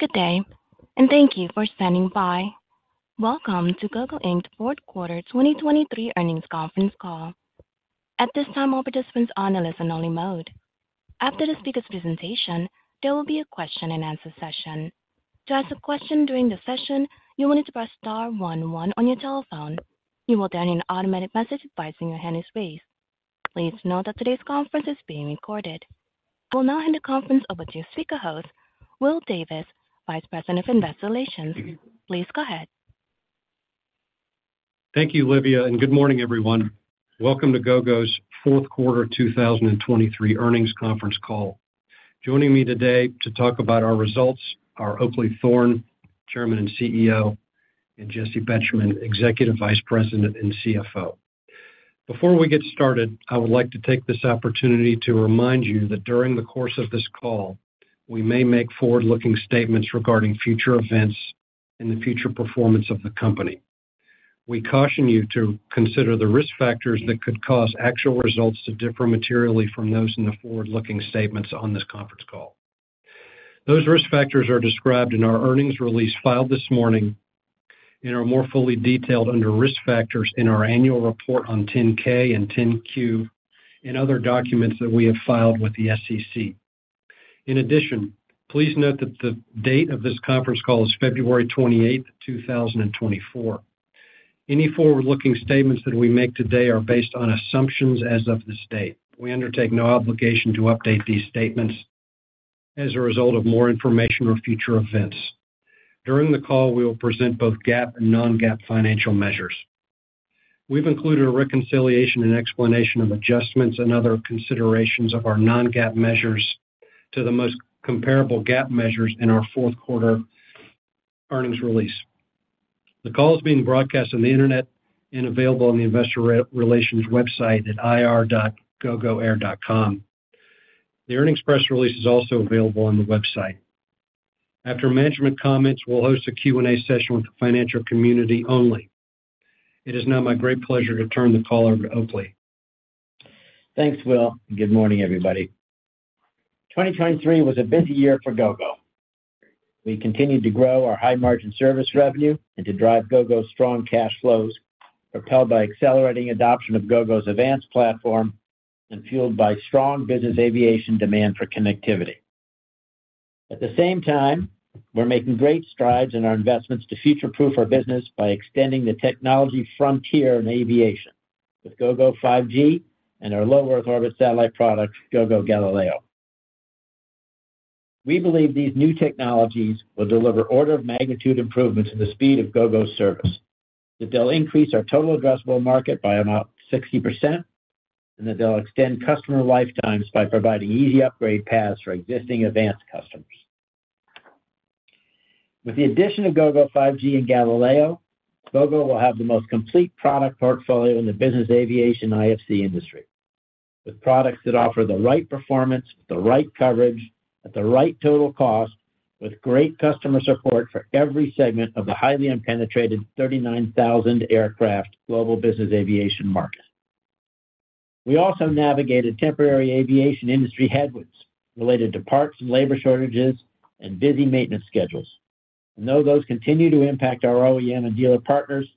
Good day, and thank you for standing by. Welcome to Gogo Inc.'s fourth quarter 2023 earnings conference call. At this time, all participants are on a listen-only mode. After the speaker's presentation, there will be a question-and-answer session. To ask a question during the session, you will need to press star one one on your telephone. You will then hear an automated message advising your hand is raised. Please note that today's conference is being recorded. We'll now hand the conference over to speaker host, Will Davis, Vice President of Investor Relations. Please go ahead. Thank you, Livia, and good morning, everyone. Welcome to Gogo's fourth quarter 2023 earnings conference call. Joining me today to talk about our results are Oakleigh Thorne, Chairman and CEO, and Jessi Betjemann, Executive Vice President and CFO. Before we get started, I would like to take this opportunity to remind you that during the course of this call, we may make forward-looking statements regarding future events and the future performance of the company. We caution you to consider the risk factors that could cause actual results to differ materially from those in the forward-looking statements on this conference call. Those risk factors are described in our earnings release filed this morning and are more fully detailed under Risk Factors in our annual report on 10-K and 10-Q and other documents that we have filed with the SEC. In addition, please note that the date of this conference call is February 28, 2024. Any forward-looking statements that we make today are based on assumptions as of this date. We undertake no obligation to update these statements as a result of more information or future events. During the call, we will present both GAAP and non-GAAP financial measures. We've included a reconciliation and explanation of adjustments and other considerations of our non-GAAP measures to the most comparable GAAP measures in our fourth-quarter earnings release. The call is being broadcast on the Internet and available on the investor relations website at ir.gogoair.com. The earnings press release is also available on the website. After management comments, we'll host a Q&A session with the financial community only. It is now my great pleasure to turn the call over to Oakleigh. Thanks, Will, and good morning, everybody. 2023 was a busy year for Gogo. We continued to grow our high-margin service revenue and to drive Gogo's strong cash flows, propelled by accelerating adoption of Gogo's AVANCE platform and fueled by strong business aviation demand for connectivity. At the same time, we're making great strides in our investments to future-proof our business by extending the technology frontier in aviation with Gogo 5G and our low-Earth orbit satellite product, Gogo Galileo. We believe these new technologies will deliver order-of-magnitude improvements in the speed of Gogo's service, that they'll increase our total addressable market by about 60%, and that they'll extend customer lifetimes by providing easy upgrade paths for existing AVANCE customers. With the addition of Gogo 5G and Galileo, Gogo will have the most complete product portfolio in the business aviation IFC industry, with products that offer the right performance, the right coverage, at the right total cost, with great customer support for every segment of the highly unpenetrated 39,000 aircraft global business aviation market. We also navigated temporary aviation industry headwinds related to parts and labor shortages and busy maintenance schedules. And though those continue to impact our OEM and dealer partners,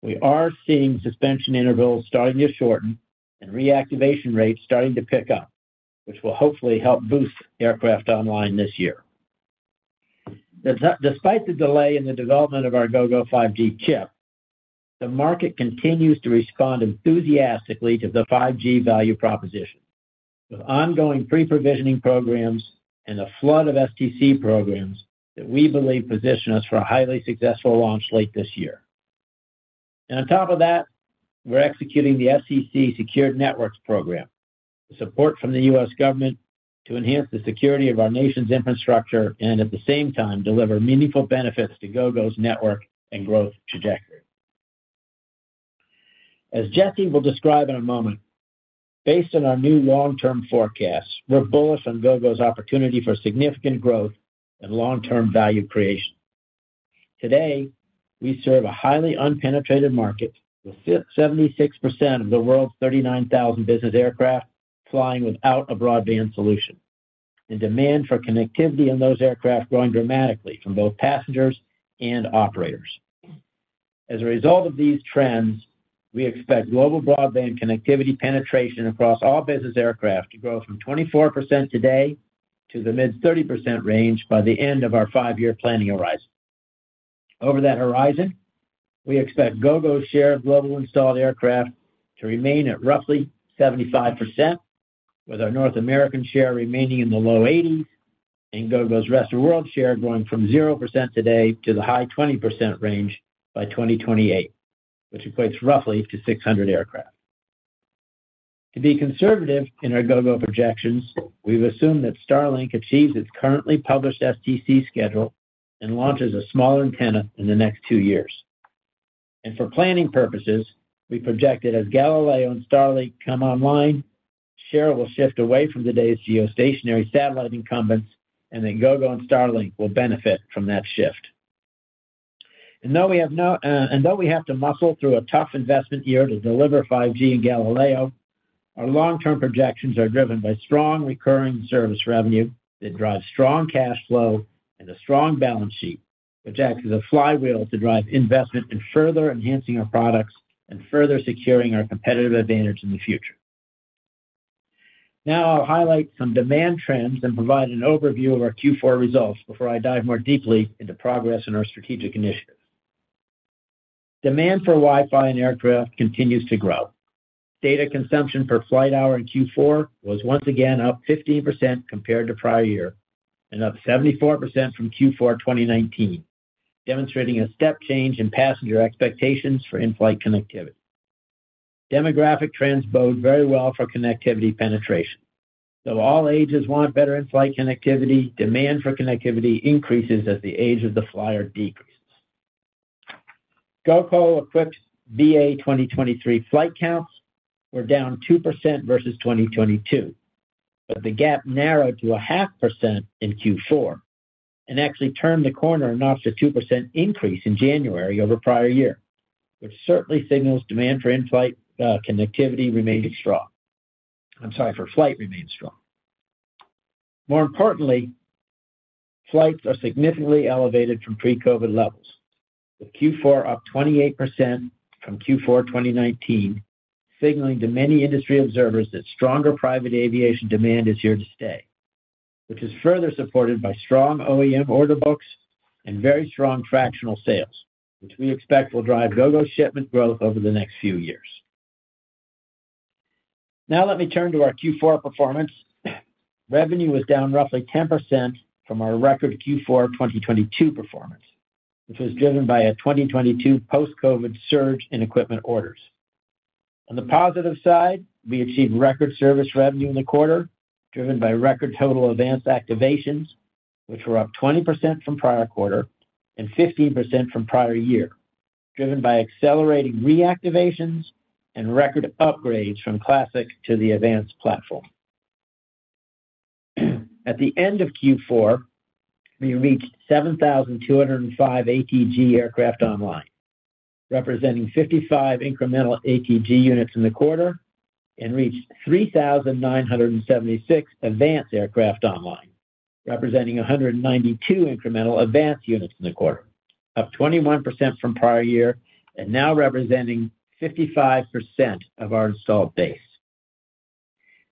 we are seeing suspension intervals starting to shorten and reactivation rates starting to pick up, which will hopefully help boost aircraft online this year. The... Despite the delay in the development of our Gogo 5G chip, the market continues to respond enthusiastically to the 5G value proposition, with ongoing pre-provisioning programs and a flood of STC programs that we believe position us for a highly successful launch late this year. On top of that, we're executing the FCC Secure and Trusted Communications Networks Reimbursement Program, support from the U.S. government to enhance the security of our nation's infrastructure and at the same time, deliver meaningful benefits to Gogo's network and growth trajectory. As Jessi will describe in a moment, based on our new long-term forecasts, we're bullish on Gogo's opportunity for significant growth and long-term value creation. Today, we serve a highly unpenetrated market, with 76% of the world's 39,000 business aircraft flying without a broadband solution, and demand for connectivity in those aircraft growing dramatically from both passengers and operators. As a result of these trends, we expect global broadband connectivity penetration across all business aircraft to grow from 24% today to the mid-30% range by the end of our 5-year planning horizon. Over that horizon, we expect Gogo's share of global installed aircraft to remain at roughly 75%, with our North American share remaining in the low 80s, and Gogo's rest of world share growing from 0% today to the high 20% range by 2028, which equates roughly to 600 aircraft. To be conservative in our Gogo projections, we've assumed that Starlink achieves its currently published STC schedule and launches a small antenna in the next 2 years. And for planning purposes, we project that as Galileo and Starlink come online, share will shift away from today's geostationary satellite incumbents, and then Gogo and Starlink will benefit from that shift. And though we have to muscle through a tough investment year to deliver 5G and Galileo, our long-term projections are driven by strong recurring service revenue that drives strong cash flow and a strong balance sheet, which acts as a flywheel to drive investment in further enhancing our products and further securing our competitive advantage in the future. Now, I'll highlight some demand trends and provide an overview of our Q4 results before I dive more deeply into progress in our strategic initiatives. Demand for Wi-Fi in aircraft continues to grow. Data consumption per flight hour in Q4 was once again up 15% compared to prior year, and up 74% from Q4 2019, demonstrating a step change in passenger expectations for in-flight connectivity. Demographic trends bode very well for connectivity penetration. Though all ages want better in-flight connectivity, demand for connectivity increases as the age of the flyer decreases. Gogo's 2023 flight counts were down 2% versus 2022, but the gap narrowed to a 0.5% in Q4, and actually turned the corner and noted a 2% increase in January over prior year, which certainly signals demand for in-flight connectivity remaining strong. I'm sorry, for flight remains strong. More importantly, flights are significantly elevated from pre-COVID levels, with Q4 up 28% from Q4 2019, signaling to many industry observers that stronger private aviation demand is here to stay, which is further supported by strong OEM order books and very strong fractional sales, which we expect will drive Gogo's shipment growth over the next few years. Now let me turn to our Q4 performance. Revenue was down roughly 10% from our record Q4 2022 performance, which was driven by a 2022 post-COVID surge in equipment orders. On the positive side, we achieved record service revenue in the quarter, driven by record total AVANCE activations, which were up 20% from prior quarter and 15% from prior year, driven by accelerating reactivations and record upgrades from classic to the AVANCE platform. At the end of Q4, we reached 7,205 ATG aircraft online, representing 55 incremental ATG units in the quarter and reached 3,976 AVANCE aircraft online, representing 192 incremental AVANCE units in the quarter, up 21% from prior year and now representing 55% of our installed base.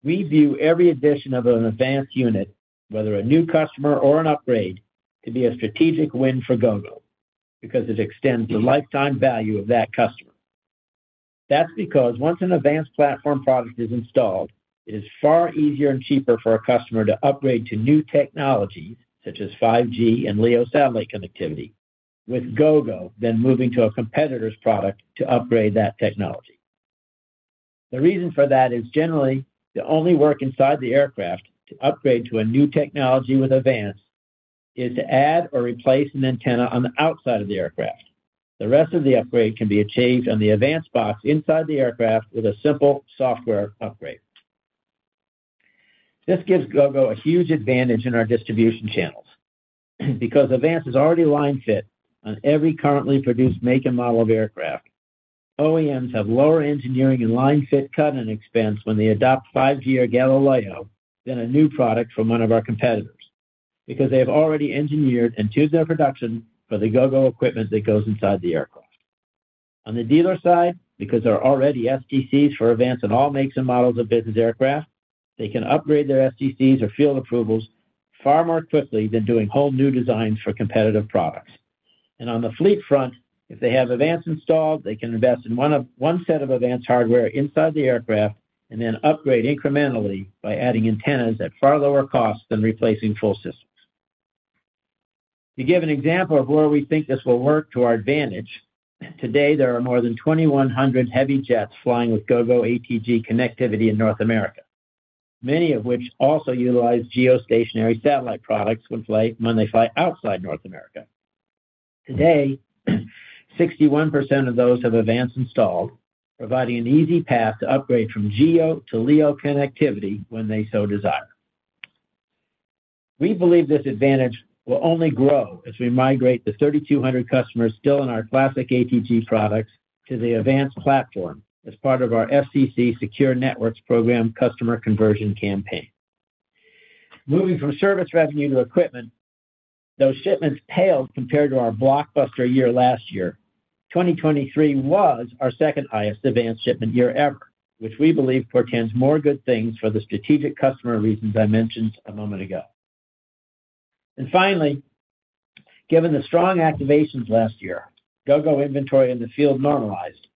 We view every addition of an AVANCE unit, whether a new customer or an upgrade, to be a strategic win for Gogo, because it extends the lifetime value of that customer. That's because once an AVANCE platform product is installed, it is far easier and cheaper for a customer to upgrade to new technology, such as 5G and LEO satellite connectivity, with Gogo than moving to a competitor's product to upgrade that technology. The reason for that is generally, the only work inside the aircraft to upgrade to a new technology with AVANCE is to add or replace an antenna on the outside of the aircraft. The rest of the upgrade can be achieved on the AVANCE box inside the aircraft with a simple software upgrade. This gives Gogo a huge advantage in our distribution channels. Because AVANCE is already line-fit on every currently produced make and model of aircraft, OEMs have lower engineering and line-fit cut in expense when they adopt Gogo Galileo than a new product from one of our competitors, because they have already engineered and tuned their production for the Gogo equipment that goes inside the aircraft. On the dealer side, because there are already STCs for AVANCE on all makes and models of business aircraft, they can upgrade their STCs or field approvals far more quickly than doing whole new designs for competitive products. On the fleet front, if they have AVANCE installed, they can invest in one of- one set of AVANCE hardware inside the aircraft and then upgrade incrementally by adding antennas at far lower costs than replacing full systems. To give an example of where we think this will work to our advantage, today, there are more than 2,100 heavy jets flying with Gogo ATG connectivity in North America, many of which also utilize geostationary satellite products when they fly outside North America. Today, 61% of those have AVANCE installed, providing an easy path to upgrade from GEO to LEO connectivity when they so desire. We believe this advantage will only grow as we migrate the 3,200 customers still in our classic ATG products to the AVANCE platform as part of our FCC Secure Networks program customer conversion campaign. Moving from service revenue to equipment, those shipments paled compared to our blockbuster year last year. 2023 was our second highest AVANCE shipment year ever, which we believe portends more good things for the strategic customer reasons I mentioned a moment ago. Finally, given the strong activations last year, Gogo inventory in the field normalized,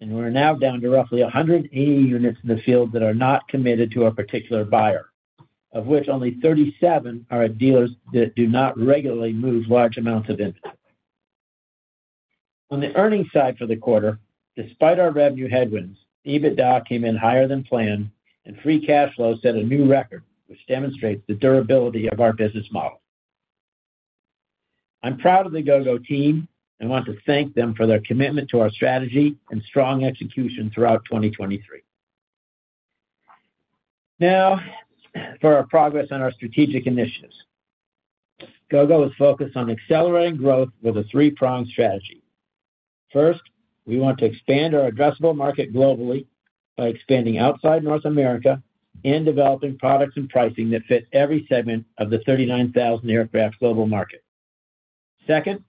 and we're now down to roughly 180 units in the field that are not committed to a particular buyer, of which only 37 are at dealers that do not regularly move large amounts of inventory. On the earnings side for the quarter, despite our revenue headwinds, EBITDA came in higher than planned, and free cash flow set a new record, which demonstrates the durability of our business model. I'm proud of the Gogo team and want to thank them for their commitment to our strategy and strong execution throughout 2023. Now, for our progress on our strategic initiatives. Gogo is focused on accelerating growth with a three-pronged strategy. First, we want to expand our addressable market globally by expanding outside North America and developing products and pricing that fit every segment of the 39,000 aircraft global market. Second,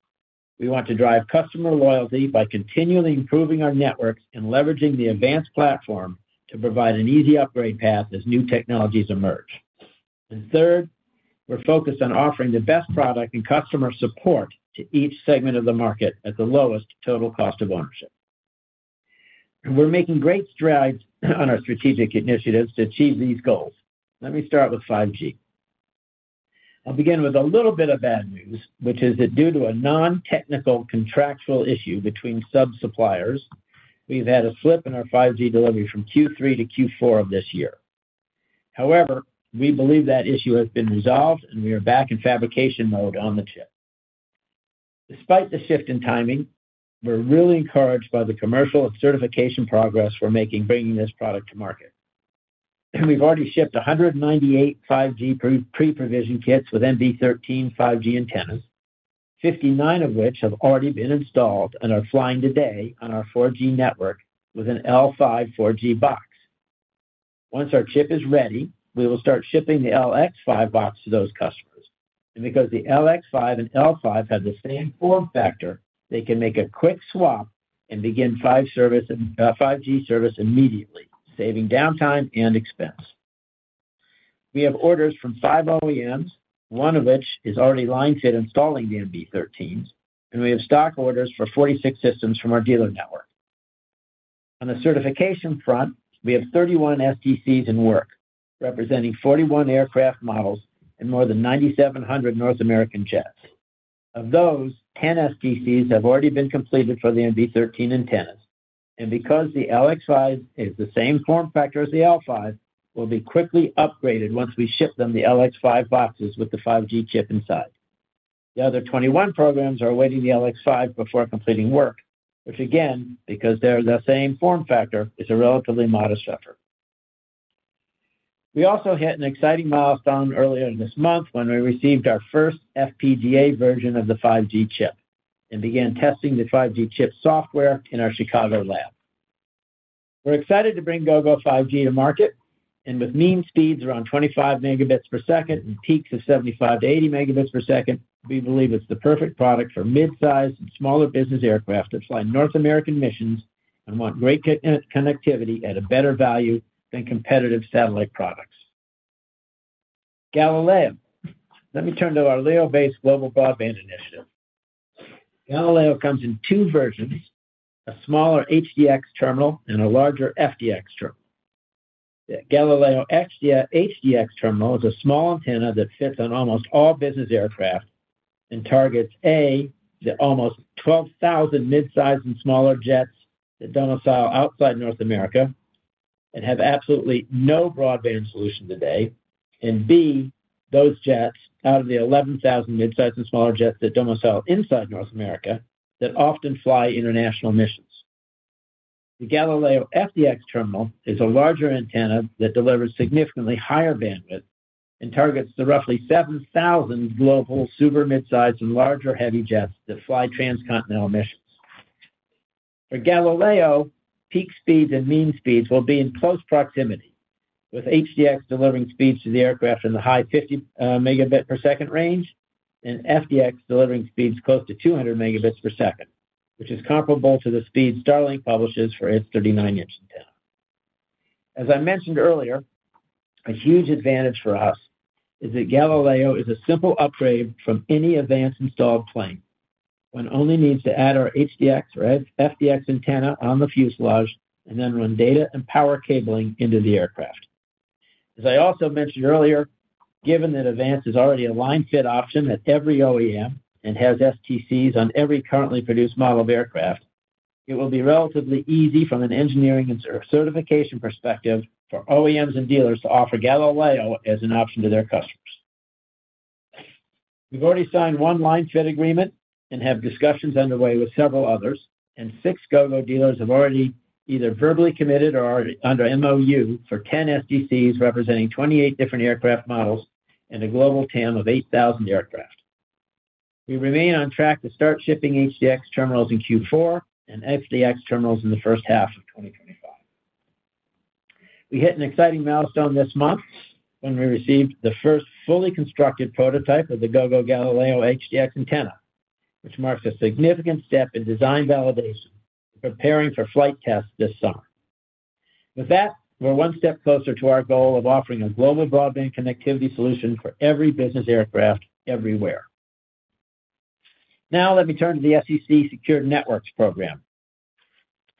we want to drive customer loyalty by continually improving our networks and leveraging the AVANCE platform to provide an easy upgrade path as new technologies emerge. Third, we're focused on offering the best product and customer support to each segment of the market at the lowest total cost of ownership. We're making great strides on our strategic initiatives to achieve these goals. Let me start with 5G. I'll begin with a little bit of bad news, which is that due to a non-technical contractual issue between sub-suppliers, we've had a slip in our 5G delivery from Q3 to Q4 of this year. However, we believe that issue has been resolved, and we are back in fabrication mode on the chip. Despite the shift in timing, we're really encouraged by the commercial and certification progress we're making, bringing this product to market. And we've already shipped 198 5G pre-provision kits with MB13 5G antennas, 59 of which have already been installed and are flying today on our 4G network with an L5-4G box. Once our chip is ready, we will start shipping the LX5 box to those customers. And because the LX5 and L5 have the same form factor, they can make a quick swap and begin five service and 5G service immediately, saving downtime and expense. We have orders from five OEMs, one of which is already line-fit installing the MB13s, and we have stock orders for 46 systems from our dealer network. On the certification front, we have 31 STCs in work, representing 41 aircraft models and more than 9,700 North American jets. Of those, 10 STCs have already been completed for the MB13 antennas, and because the LX5 is the same form factor as the L5, will be quickly upgraded once we ship them the LX5 boxes with the 5G chip inside. The other 21 programs are awaiting the LX5 before completing work, which again, because they're the same form factor, is a relatively modest effort. We also hit an exciting milestone earlier this month when we received our first FPGA version of the 5G chip and began testing the 5G chip software in our Chicago lab. We're excited to bring Gogo 5G to market, and with mean speeds around 25 Mbps and peaks of 75-80 Mbps, we believe it's the perfect product for mid-sized and smaller business aircraft that fly North American missions and want great connectivity at a better value than competitive satellite products. Galileo. Let me turn to our LEO-based global broadband initiative. Galileo comes in two versions, a smaller HDX terminal and a larger FDX terminal. Galileo HDX terminal is a small antenna that fits on almost all business aircraft and targets, A, the almost 12,000 mid-sized and smaller jets that domicile outside North America and have absolutely no broadband solution today. And B, those jets, out of the 11,000 midsize and smaller jets that domicile inside North America, that often fly international missions. The Galileo FDX terminal is a larger antenna that delivers significantly higher bandwidth and targets the roughly 7,000 global, super mid-sized and larger heavy jets that fly transcontinental missions. For Galileo, peak speeds and mean speeds will be in close proximity, with HDX delivering speeds to the aircraft in the high 50 Mbps range, and FDX delivering speeds close to 200 Mbps, which is comparable to the speed Starlink publishes for its 39-inch antenna. As I mentioned earlier, a huge advantage for us is that Galileo is a simple upgrade from any AVANCE installed plane. One only needs to add our HDX or FDX antenna on the fuselage and then run data and power cabling into the aircraft. As I also mentioned earlier, given that AVANCE is already a line-fit option at every OEM and has STCs on every currently produced model of aircraft, it will be relatively easy from an engineering and certification perspective for OEMs and dealers to offer Galileo as an option to their customers. We've already signed one line-fit agreement and have discussions underway with several others, and six Gogo dealers have already either verbally committed or are under MoU for 10 STCs, representing 28 different aircraft models and a global TAM of 8,000 aircraft. We remain on track to start shipping HDX terminals in Q4 and FDX terminals in the first half of 2025. We hit an exciting milestone this month when we received the first fully constructed prototype of the Gogo Galileo HDX antenna, which marks a significant step in design validation, preparing for flight tests this summer. With that, we're one step closer to our goal of offering a global broadband connectivity solution for every business aircraft everywhere. Now, let me turn to the FCC Secured Networks program.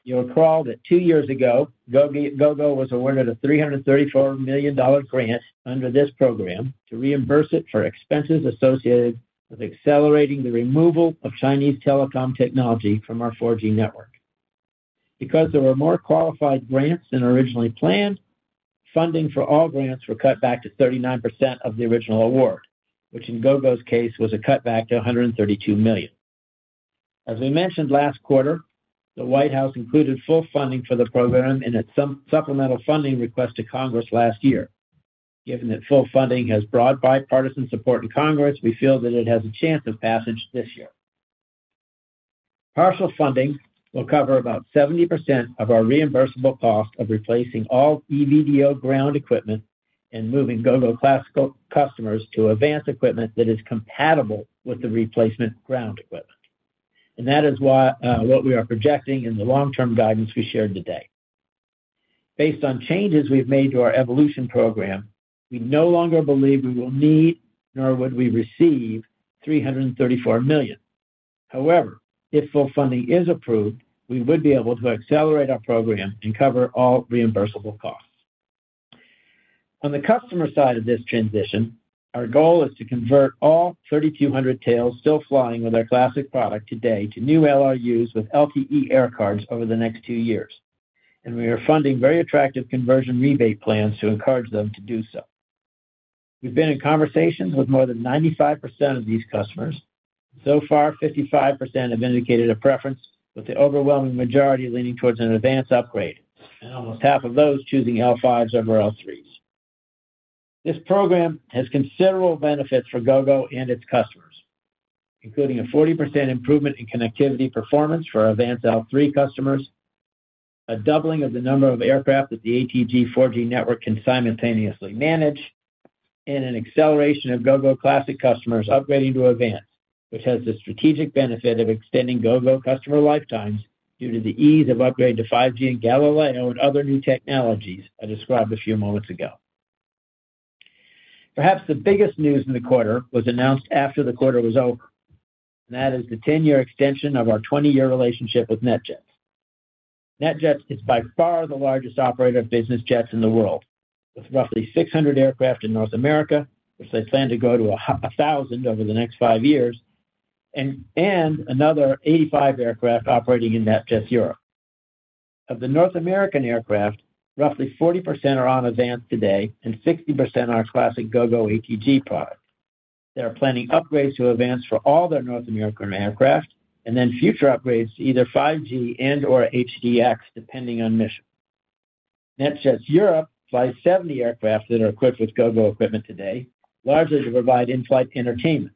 You'll recall that two years ago, Gogo was awarded a $334 million grant under this program to reimburse it for expenses associated with accelerating the removal of Chinese telecom technology from our 4G network. Because there were more qualified grants than originally planned, funding for all grants were cut back to 39% of the original award, which in Gogo's case, was a cutback to $132 million. As we mentioned last quarter, the White House included full funding for the program in its supplemental funding request to Congress last year. Given that full funding has broad bipartisan support in Congress, we feel that it has a chance of passage this year. Partial funding will cover about 70% of our reimbursable cost of replacing all EVDO ground equipment and moving Gogo Classic customers to AVANCE equipment that is compatible with the replacement ground equipment. That is why what we are projecting in the long-term guidance we shared today. Based on changes we've made to our evolution program, we no longer believe we will need, nor would we receive $334 million. However, if full funding is approved, we would be able to accelerate our program and cover all reimbursable costs. On the customer side of this transition, our goal is to convert all 3,200 tails still flying with our classic product today to new LRUs with LTE air cards over the next two years, and we are funding very attractive conversion rebate plans to encourage them to do so. We've been in conversations with more than 95% of these customers. So far, 55% have indicated a preference, with the overwhelming majority leaning towards an AVANCE upgrade, and almost half of those choosing L5s over L3s. This program has considerable benefits for Gogo and its customers, including a 40% improvement in connectivity performance for AVANCE L3 customers, a doubling of the number of aircraft that the ATG 4G network can simultaneously manage, and an acceleration of Gogo Classic customers upgrading to AVANCE, which has the strategic benefit of extending Gogo customer lifetimes due to the ease of upgrading to 5G and Galileo and other new technologies I described a few moments ago. Perhaps the biggest news in the quarter was announced after the quarter was over, and that is the 10-year extension of our 20-year relationship with NetJets. NetJets is by far the largest operator of business jets in the world, with roughly 600 aircraft in North America, which they plan to go to 1,000 over the next 5 years, and another 85 aircraft operating in NetJets Europe. Of the North American aircraft, roughly 40% are on AVANCE today and 60% are classic Gogo ATG product. They are planning upgrades to AVANCE for all their North American aircraft, and then future upgrades to either 5G and/or HDX, depending on mission. NetJets Europe flies 70 aircraft that are equipped with Gogo equipment today, largely to provide in-flight entertainment,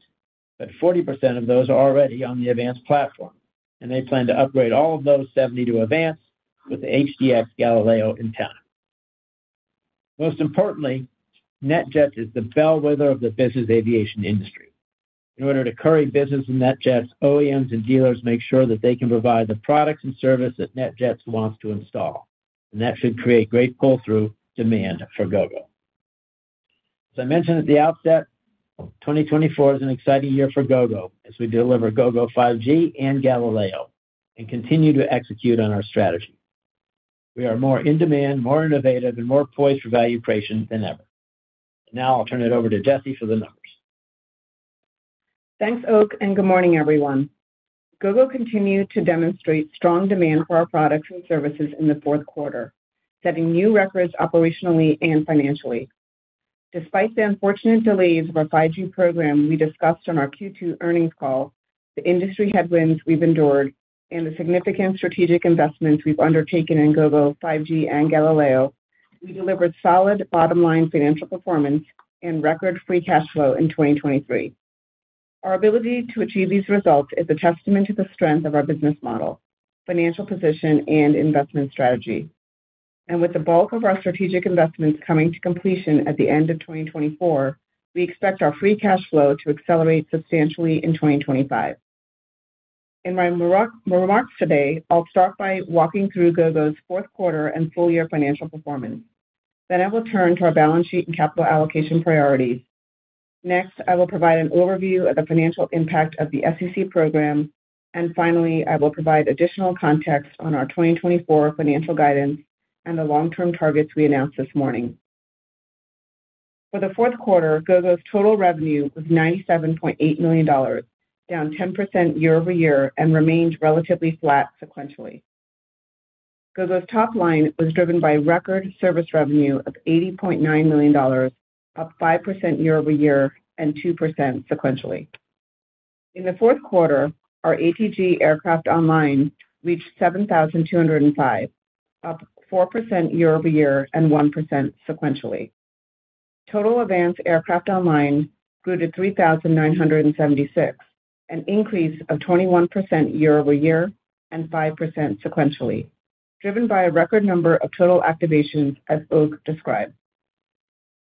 but 40% of those are already on the AVANCE platform, and they plan to upgrade all of those 70 to AVANCE with HDX Galileo in tow. Most importantly, NetJets is the bellwether of the business aviation industry. In order to curry business in NetJets, OEMs and dealers make sure that they can provide the products and service that NetJets wants to install, and that should create great pull-through demand for Gogo. As I mentioned at the outset, 2024 is an exciting year for Gogo as we deliver Gogo 5G and Galileo and continue to execute on our strategy. We are more in demand, more innovative, and more poised for valuation than ever. Now I'll turn it over to Jessi for the numbers. Thanks, Oak, and good morning, everyone. Gogo continued to demonstrate strong demand for our products and services in the fourth quarter, setting new records operationally and financially. Despite the unfortunate delays of our 5G program we discussed on our Q2 earnings call, the industry headwinds we've endured, and the significant strategic investments we've undertaken in Gogo, 5G, and Galileo, we delivered solid bottom-line financial performance and record free cash flow in 2023. Our ability to achieve these results is a testament to the strength of our business model, financial position, and investment strategy. With the bulk of our strategic investments coming to completion at the end of 2024, we expect our free cash flow to accelerate substantially in 2025. In my remarks today, I'll start by walking through Gogo's fourth quarter and full year financial performance. I will turn to our balance sheet and capital allocation priorities. Next, I will provide an overview of the financial impact of the FCC program. And finally, I will provide additional context on our 2024 financial guidance and the long-term targets we announced this morning. For the fourth quarter, Gogo's total revenue was $97.8 million, down 10% year-over-year, and remained relatively flat sequentially. Gogo's top line was driven by record service revenue of $80.9 million, up 5% year-over-year and 2% sequentially. In the fourth quarter, our ATG aircraft online reached 7,205, up 4% year-over-year and 1% sequentially. Total AVANCE aircraft online grew to 3,976, an increase of 21% year-over-year and 5% sequentially, driven by a record number of total activations, as Oak described.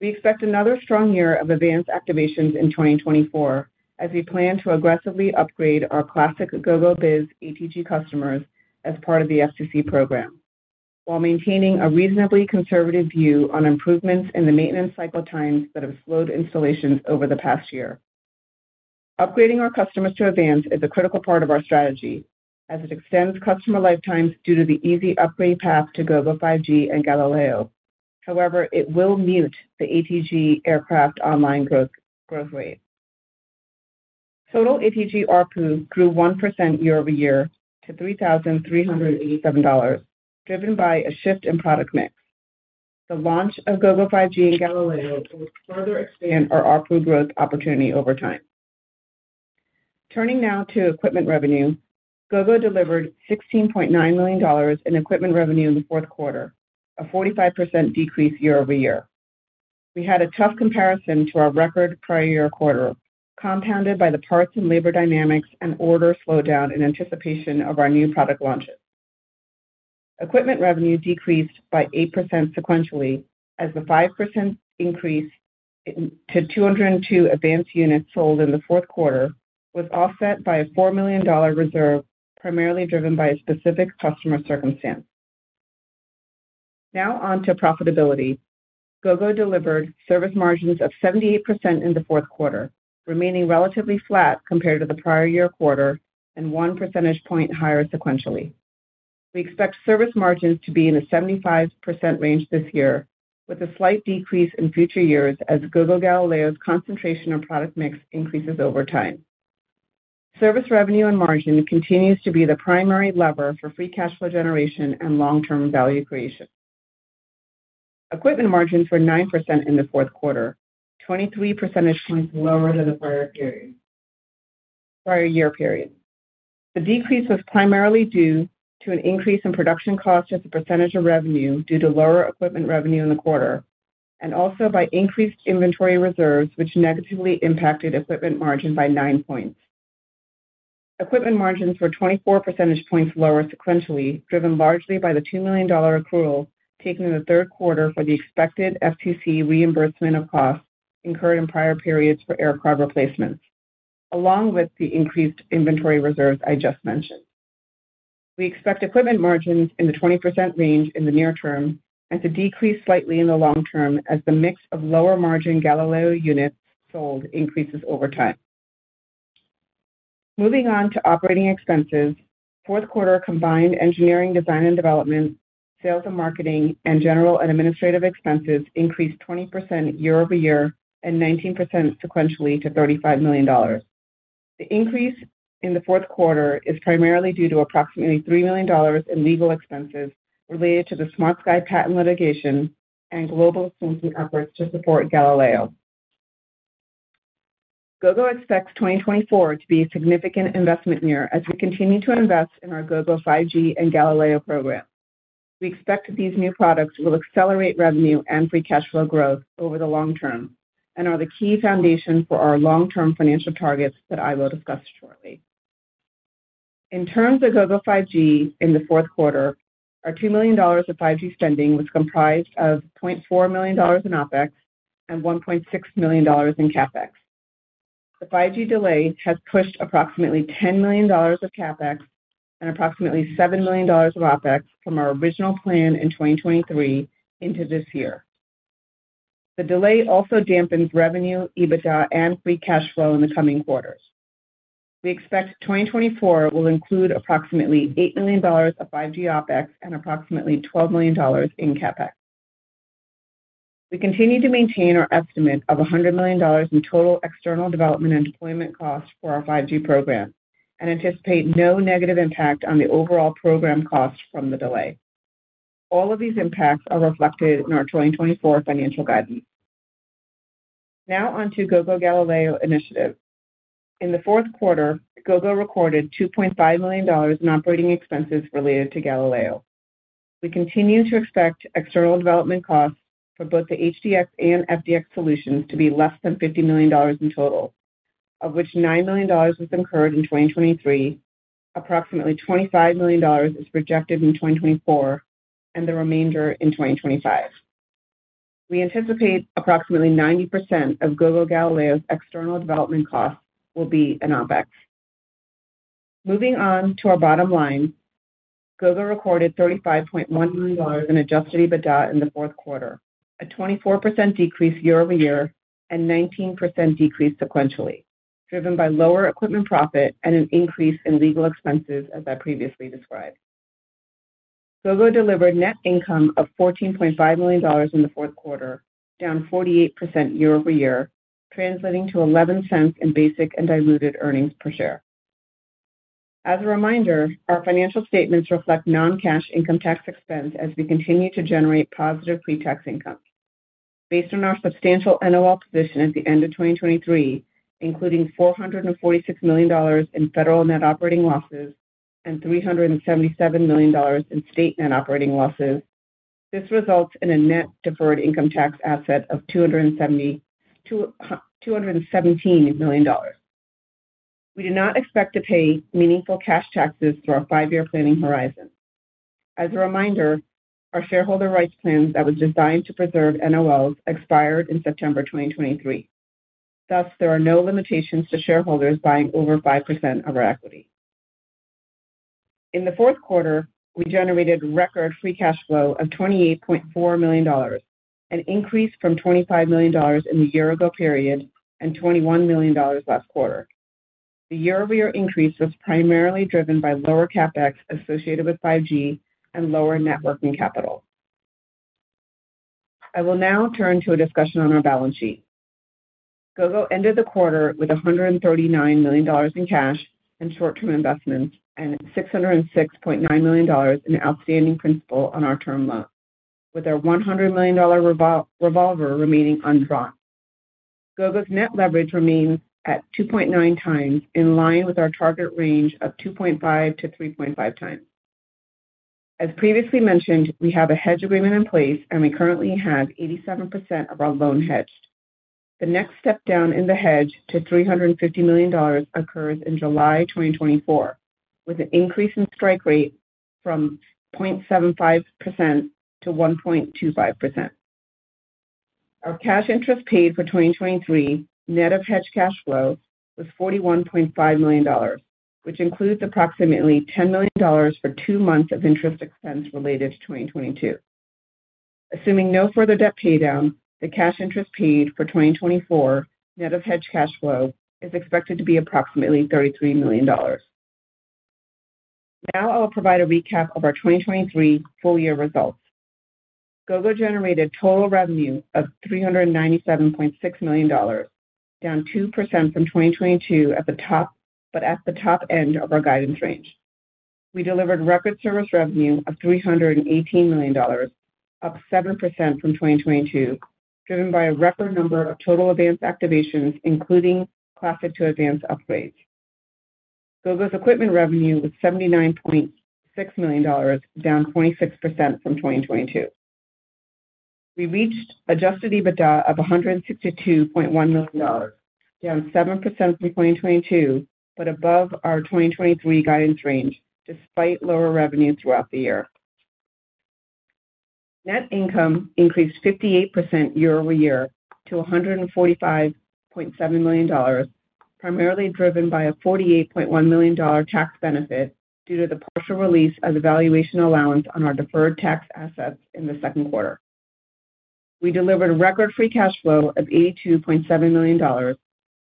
We expect another strong year of AVANCE activations in 2024 as we plan to aggressively upgrade our classic Gogo Biz ATG customers as part of the FCC program, while maintaining a reasonably conservative view on improvements in the maintenance cycle times that have slowed installations over the past year. Upgrading our customers to AVANCE is a critical part of our strategy, as it extends customer lifetimes due to the easy upgrade path to Gogo 5G and Gogo Galileo. However, it will mute the ATG aircraft online growth, growth rate. Total ATG ARPU grew 1% year-over-year to $3,387, driven by a shift in product mix.... The launch of Gogo 5G and Gogo Galileo will further expand our ARPU growth opportunity over time. Turning now to equipment revenue. Gogo delivered $16.9 million in equipment revenue in the fourth quarter, a 45% decrease year-over-year. We had a tough comparison to our record prior year quarter, compounded by the parts and labor dynamics and order slowdown in anticipation of our new product launches. Equipment revenue decreased by 8% sequentially, as the 5% increase in, to 202 AVANCE units sold in the fourth quarter was offset by a $4 million reserve, primarily driven by a specific customer circumstance. Now on to profitability. Gogo delivered service margins of 78% in the fourth quarter, remaining relatively flat compared to the prior year quarter, and one percentage point higher sequentially. We expect service margins to be in the 75% range this year, with a slight decrease in future years as Gogo Galileo's concentration on product mix increases over time. Service revenue and margin continues to be the primary lever for free cash flow generation and long-term value creation. Equipment margins were 9% in the fourth quarter, 23 percentage points lower than the prior period, prior year period. The decrease was primarily due to an increase in production costs as a percentage of revenue due to lower equipment revenue in the quarter, and also by increased inventory reserves, which negatively impacted equipment margin by 9 points. Equipment margins were 24 percentage points lower sequentially, driven largely by the $2 million accrual taken in the third quarter for the expected FCC reimbursement of costs incurred in prior periods for aircraft replacements, along with the increased inventory reserves I just mentioned. We expect equipment margins in the 20% range in the near term and to decrease slightly in the long term as the mix of lower margin Galileo units sold increases over time. Moving on to operating expenses. Fourth quarter combined engineering, design and development, sales and marketing, and general and administrative expenses increased 20% year-over-year and 19% sequentially to $35 million. The increase in the fourth quarter is primarily due to approximately $3 million in legal expenses related to the SmartSky patent litigation and global licensing efforts to support Galileo. Gogo expects 2024 to be a significant investment year as we continue to invest in our Gogo 5G and Galileo program. We expect these new products will accelerate revenue and free cash flow growth over the long term and are the key foundation for our long-term financial targets that I will discuss shortly. In terms of Gogo 5G, in the fourth quarter, our $2 million of 5G spending was comprised of $0.4 million in OpEx and $1.6 million in CapEx. The 5G delay has pushed approximately $10 million of CapEx and approximately $7 million of OpEx from our original plan in 2023 into this year. The delay also dampens revenue, EBITDA, and free cash flow in the coming quarters. We expect 2024 will include approximately $8 million of 5G OpEx and approximately $12 million in CapEx. We continue to maintain our estimate of $100 million in total external development and deployment costs for our 5G program and anticipate no negative impact on the overall program costs from the delay. All of these impacts are reflected in our 2024 financial guidance. Now on to Gogo Galileo initiative. In the fourth quarter, Gogo recorded $2.5 million in operating expenses related to Galileo. We continue to expect external development costs for both the HDX and FDX solutions to be less than $50 million in total, of which $9 million was incurred in 2023. Approximately $25 million is projected in 2024, and the remainder in 2025. We anticipate approximately 90% of Gogo Galileo's external development costs will be in OpEx. Moving on to our bottom line, Gogo recorded $35.1 million in adjusted EBITDA in the fourth quarter, a 24% decrease year-over-year and 19% decrease sequentially, driven by lower equipment profit and an increase in legal expenses, as I previously described. Gogo delivered net income of $14.5 million in the fourth quarter, down 48% year-over-year, translating to $0.11 in basic and diluted earnings per share. As a reminder, our financial statements reflect non-cash income tax expense as we continue to generate positive pre-tax income. Based on our substantial NOL position at the end of 2023, including $446 million in federal net operating losses and $377 million in state net operating losses, this results in a net deferred income tax asset of $217 million. We do not expect to pay meaningful cash taxes through our 5-year planning horizon. As a reminder, our shareholder rights plan that was designed to preserve NOLs expired in September 2023. Thus, there are no limitations to shareholders buying over 5% of our equity. In the fourth quarter, we generated record free cash flow of $28.4 million, an increase from $25 million in the year ago period, and $21 million last quarter. The year-over-year increase was primarily driven by lower CapEx associated with 5G and lower net working capital. I will now turn to a discussion on our balance sheet. Gogo ended the quarter with $139 million in cash and short-term investments, and $606.9 million in outstanding principal on our term loan, with our $100 million revolver remaining undrawn. Gogo's net leverage remains at 2.9x, in line with our target range of 2.5x-3.5x. As previously mentioned, we have a hedge agreement in place, and we currently have 87% of our loan hedged. The next step down in the hedge to $350 million occurs in July 2024, with an increase in strike rate from 0.75% to 1.25%. Our cash interest paid for 2023, net of hedged cash flow, was $41.5 million, which includes approximately $10 million for two months of interest expense related to 2022. Assuming no further debt paydown, the cash interest paid for 2024, net of hedged cash flow, is expected to be approximately $33 million. Now I will provide a recap of our 2023 full year results. Gogo generated total revenue of $397.6 million, down 2% from 2022 at the top, but at the top end of our guidance range. We delivered record service revenue of $318 million, up 7% from 2022, driven by a record number of total AVANCE activations, including Classic to AVANCE upgrades. Gogo's equipment revenue was $79.6 million, down 26% from 2022. We reached adjusted EBITDA of $162.1 million, down 7% from 2022, but above our 2023 guidance range, despite lower revenue throughout the year. Net income increased 58% year-over-year to $145.7 million, primarily driven by a $48.1 million tax benefit due to the partial release of the valuation allowance on our deferred tax assets in the second quarter. We delivered record free cash flow of $82.7 million,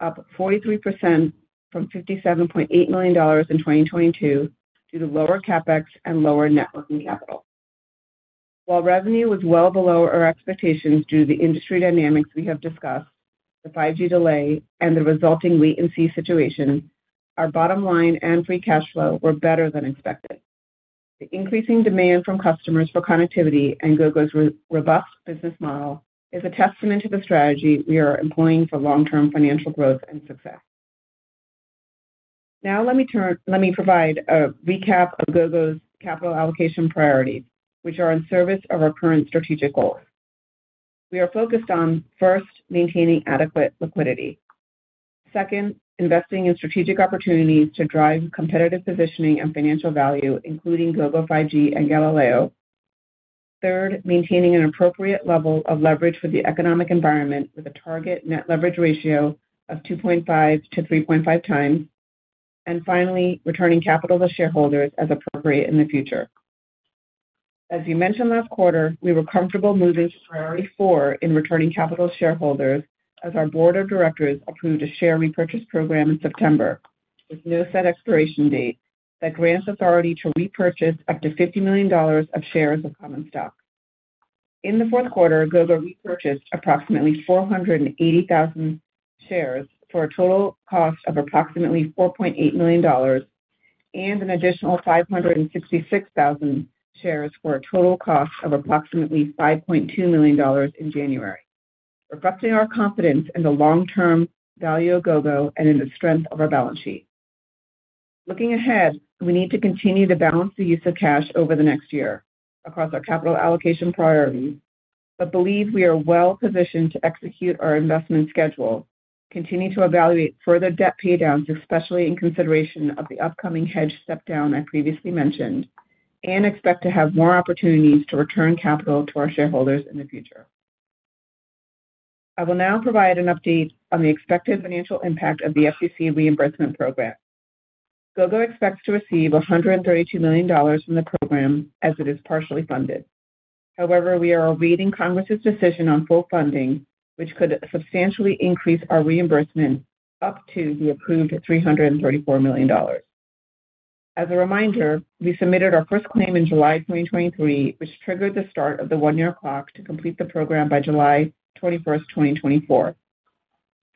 up 43% from $57.8 million in 2022, due to lower CapEx and lower net working capital. While revenue was well below our expectations due to the industry dynamics we have discussed, the 5G delay and the resulting wait-and-see situation, our bottom line and free cash flow were better than expected. The increasing demand from customers for connectivity and Gogo's robust business model is a testament to the strategy we are employing for long-term financial growth and success. Now let me turn - let me provide a recap of Gogo's capital allocation priorities, which are in service of our current strategic goals. We are focused on, first, maintaining adequate liquidity. Second, investing in strategic opportunities to drive competitive positioning and financial value, including Gogo 5G and Galileo. Third, maintaining an appropriate level of leverage for the economic environment, with a target net leverage ratio of 2.5-3.5 times. And finally, returning capital to shareholders as appropriate in the future. As you mentioned last quarter, we were comfortable moving to priority four in returning capital to shareholders, as our board of directors approved a share repurchase program in September, with no set expiration date, that grants authority to repurchase up to $50 million of shares of common stock. In the fourth quarter, Gogo repurchased approximately 480,000 shares for a total cost of approximately $4.8 million, and an additional 566,000 shares for a total cost of approximately $5.2 million in January, reflecting our confidence in the long-term value of Gogo and in the strength of our balance sheet. Looking ahead, we need to continue to balance the use of cash over the next year across our capital allocation priorities, but believe we are well positioned to execute our investment schedule, continue to evaluate further debt paydowns, especially in consideration of the upcoming hedge step-down I previously mentioned, and expect to have more opportunities to return capital to our shareholders in the future. I will now provide an update on the expected financial impact of the FCC reimbursement program. Gogo expects to receive $132 million from the program as it is partially funded. However, we are awaiting Congress's decision on full funding, which could substantially increase our reimbursement up to the approved $334 million. As a reminder, we submitted our first claim in July 2023, which triggered the start of the one-year clock to complete the program by July 21st, 2024.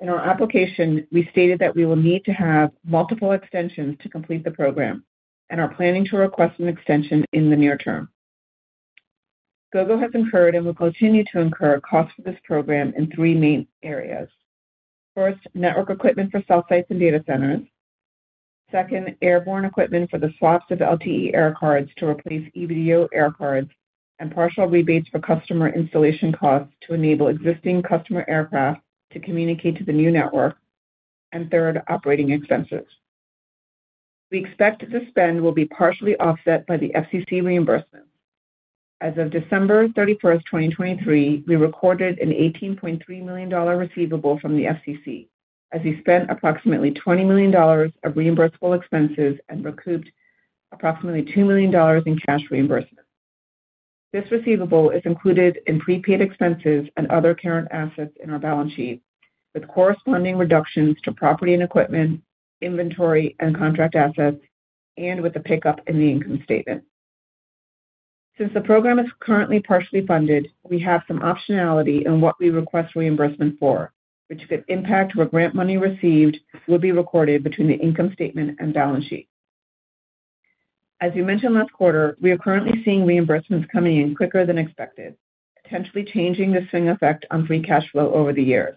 In our application, we stated that we will need to have multiple extensions to complete the program and are planning to request an extension in the near term. Gogo has incurred and will continue to incur costs for this program in three main areas. First, network equipment for cell sites and data centers. Second, airborne equipment for the swaps of LTE air cards to replace EVDO air cards, and partial rebates for customer installation costs to enable existing customer aircraft to communicate to the new network. And third, operating expenses. We expect the spend will be partially offset by the FCC reimbursement. As of December 31, 2023, we recorded an $18.3 million receivable from the FCC, as we spent approximately $20 million of reimbursable expenses and recouped approximately $2 million in cash reimbursement. This receivable is included in prepaid expenses and other current assets in our balance sheet, with corresponding reductions to property and equipment, inventory and contract assets, and with a pickup in the income statement. Since the program is currently partially funded, we have some optionality in what we request reimbursement for, which could impact where grant money received will be recorded between the income statement and balance sheet. As we mentioned last quarter, we are currently seeing reimbursements coming in quicker than expected, potentially changing this thing effect on free cash flow over the years.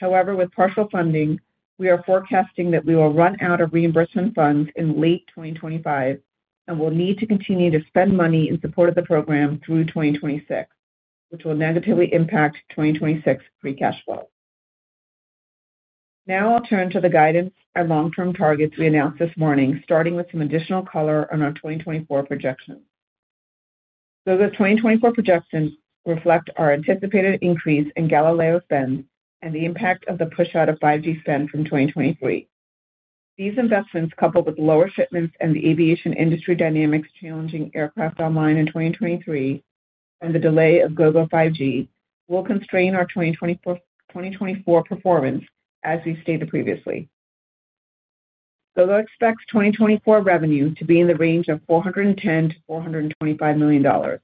However, with partial funding, we are forecasting that we will run out of reimbursement funds in late 2025, and we'll need to continue to spend money in support of the program through 2026, which will negatively impact 2026 free cash flow. Now I'll turn to the guidance and long-term targets we announced this morning, starting with some additional color on our 2024 projections. So the 2024 projections reflect our anticipated increase in Galileo spend and the impact of the push out of 5G spend from 2023. These investments, coupled with lower shipments and the aviation industry dynamics, challenging aircraft online in 2023 and the delay of Gogo 5G, will constrain our 2024, 2024 performance, as we stated previously. Gogo expects 2024 revenue to be in the range of $410 million-$425 million.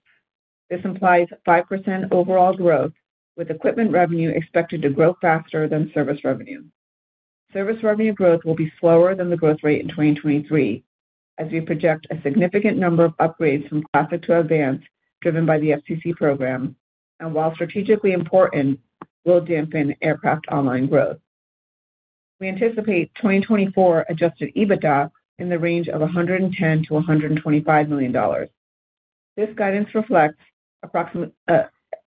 This implies 5% overall growth, with equipment revenue expected to grow faster than service revenue. Service revenue growth will be slower than the growth rate in 2023, as we project a significant number of upgrades from classic to AVANCE, driven by the FCC program, and while strategically important, will dampen aircraft online growth. We anticipate 2024 adjusted EBITDA in the range of $110 million-$125 million. This guidance reflects approximate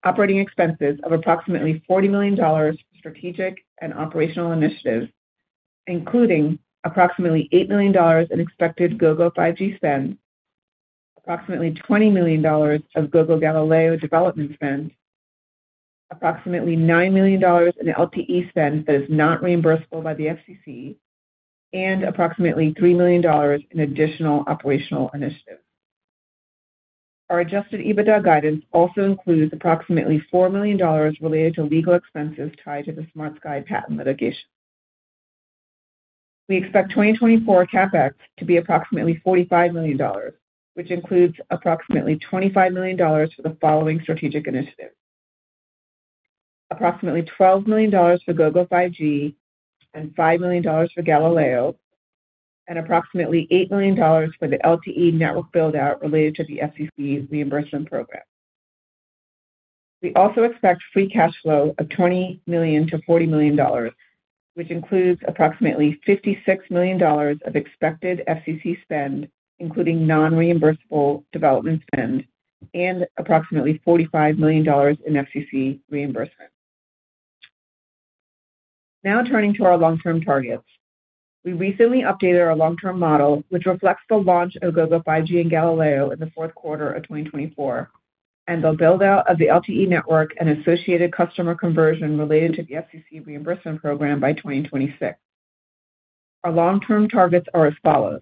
operating expenses of approximately $40 million for strategic and operational initiatives, including approximately $8 million in expected Gogo 5G spend, approximately $20 million of Gogo Galileo development spend, approximately $9 million in LTE spend that is not reimbursable by the FCC, and approximately $3 million in additional operational initiatives. Our adjusted EBITDA guidance also includes approximately $4 million related to legal expenses tied to the SmartSky patent litigation. We expect 2024 CapEx to be approximately $45 million, which includes approximately $25 million for the following strategic initiatives: approximately $12 million for Gogo 5G and $5 million for Galileo, and approximately $8 million for the LTE network build-out related to the FCC reimbursement program. We also expect free cash flow of $20 million-$40 million, which includes approximately $56 million of expected FCC spend, including non-reimbursable development spend and approximately $45 million in FCC reimbursement. Now turning to our long-term targets. We recently updated our long-term model, which reflects the launch of Gogo 5G and Galileo in the fourth quarter of 2024, and the build-out of the LTE network and associated customer conversion related to the FCC reimbursement program by 2026. Our long-term targets are as follows: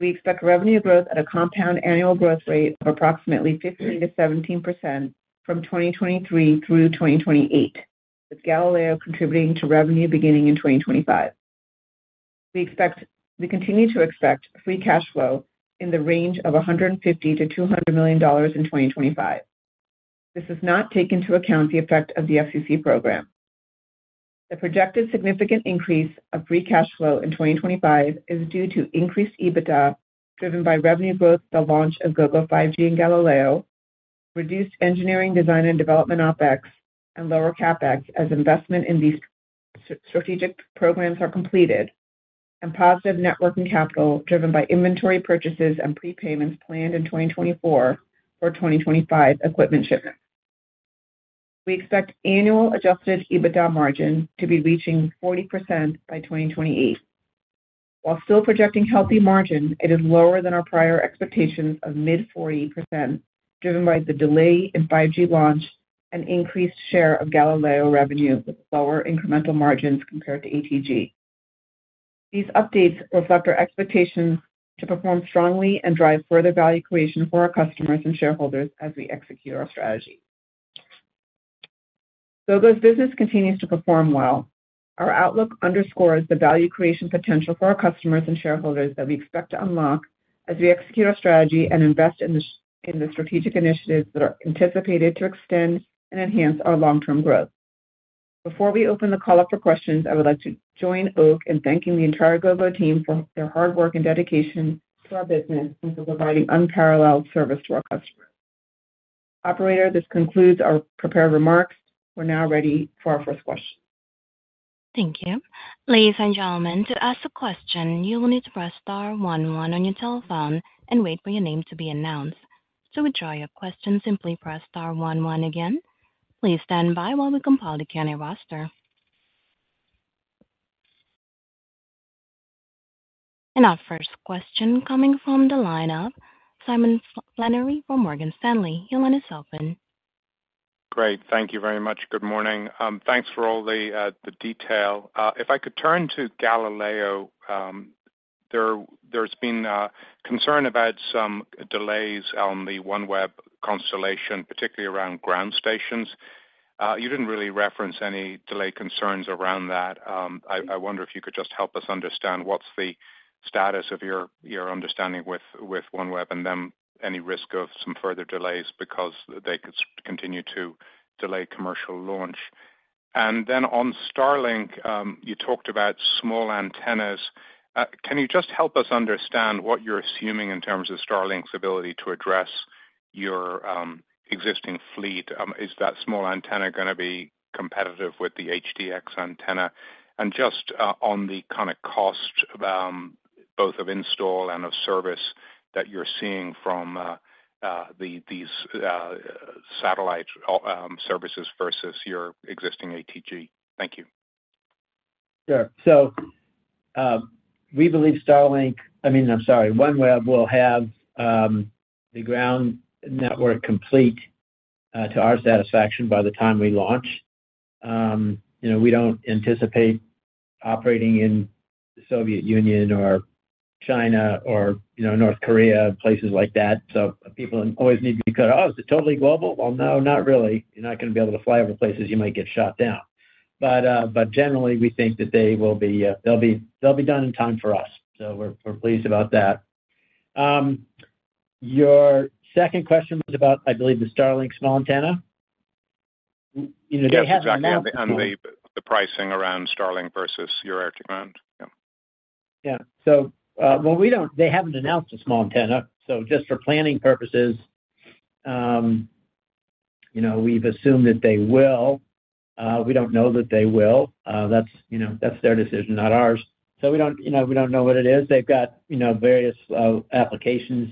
We expect revenue growth at a compound annual growth rate of approximately 15%-17% from 2023 through 2028, with Galileo contributing to revenue beginning in 2025. We expect we continue to expect free cash flow in the range of $150 million-$200 million in 2025. This does not take into account the effect of the FCC program. The projected significant increase of free cash flow in 2025 is due to increased EBITDA, driven by revenue growth, the launch of Gogo 5G and Galileo, reduced engineering design and development OpEx, and lower CapEx as investment in these strategic programs are completed, and positive net working capital, driven by inventory purchases and prepayments planned in 2024 for 2025 equipment shipments. We expect annual adjusted EBITDA margin to be reaching 40% by 2028. While still projecting healthy margin, it is lower than our prior expectations of mid-40%, driven by the delay in 5G launch and increased share of Galileo revenue, with lower incremental margins compared to ATG. These updates reflect our expectations to perform strongly and drive further value creation for our customers and shareholders as we execute our strategy. Gogo's business continues to perform well. Our outlook underscores the value creation potential for our customers and shareholders that we expect to unlock as we execute our strategy and invest in the strategic initiatives that are anticipated to extend and enhance our long-term growth. Before we open the call up for questions, I would like to join Oak in thanking the entire Gogo team for their hard work and dedication to our business and for providing unparalleled service to our customers. Operator, this concludes our prepared remarks. We're now ready for our first question. Thank you. Ladies and gentlemen, to ask a question, you will need to press star one one on your telephone and wait for your name to be announced. To withdraw your question, simply press star one one again. Please stand by while we compile the attendee roster. Our first question coming from the line of Simon Flannery from Morgan Stanley. Your line is open. Great, thank you very much. Good morning. Thanks for all the detail. If I could turn to Galileo, there's been concern about some delays on the OneWeb constellation, particularly around ground stations. You didn't really reference any delay concerns around that. I wonder if you could just help us understand what's the status of your understanding with OneWeb, and then any risk of some further delays because they could continue to delay commercial launch? And then on Starlink, you talked about small antennas. Can you just help us understand what you're assuming in terms of Starlink's ability to address your existing fleet? Is that small antenna gonna be competitive with the HDX antenna? And just on the kind of cost, both of install and of service that you're seeing from these satellite services versus your existing ATG. Thank you. Sure. So, we believe Starlink—I mean, I'm sorry, OneWeb will have the ground network complete to our satisfaction by the time we launch. You know, we don't anticipate operating in the Soviet Union or China or, you know, North Korea, places like that. So people always need to be clear, "Oh, is it totally global?" Well, no, not really. You're not gonna be able to fly over places, you might get shot down. But, but generally, we think that they will be, they'll be, they'll be done in time for us, so we're, we're pleased about that. Your second question was about, I believe, the Starlink small antenna. You know, they haven't announced the small— Yes, exactly, and the pricing around Starlink versus your ATG band. Yeah. Yeah. So, well, we don't, they haven't announced a small antenna, so just for planning purposes, you know, we've assumed that they will. We don't know that they will. That's, you know, that's their decision, not ours. So we don't, you know, we don't know what it is. They've got, you know, various applications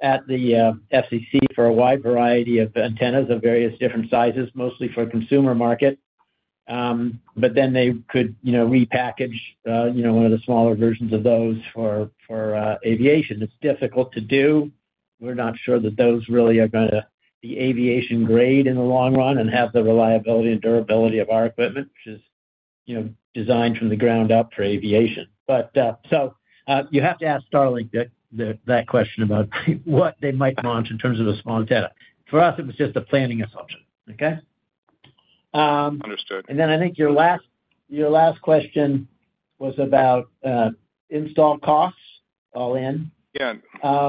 at the FCC for a wide variety of antennas of various different sizes, mostly for consumer market. But then they could, you know, repackage, you know, one of the smaller versions of those for aviation. It's difficult to do. We're not sure that those really are gonna be aviation grade in the long run and have the reliability and durability of our equipment, which is, you know, designed from the ground up for aviation. But, so, you have to ask Starlink that question about what they might launch in terms of a small antenna. For us, it was just a planning assumption. Okay? Understood. I think your last, your last question was about install costs, all in. Yeah.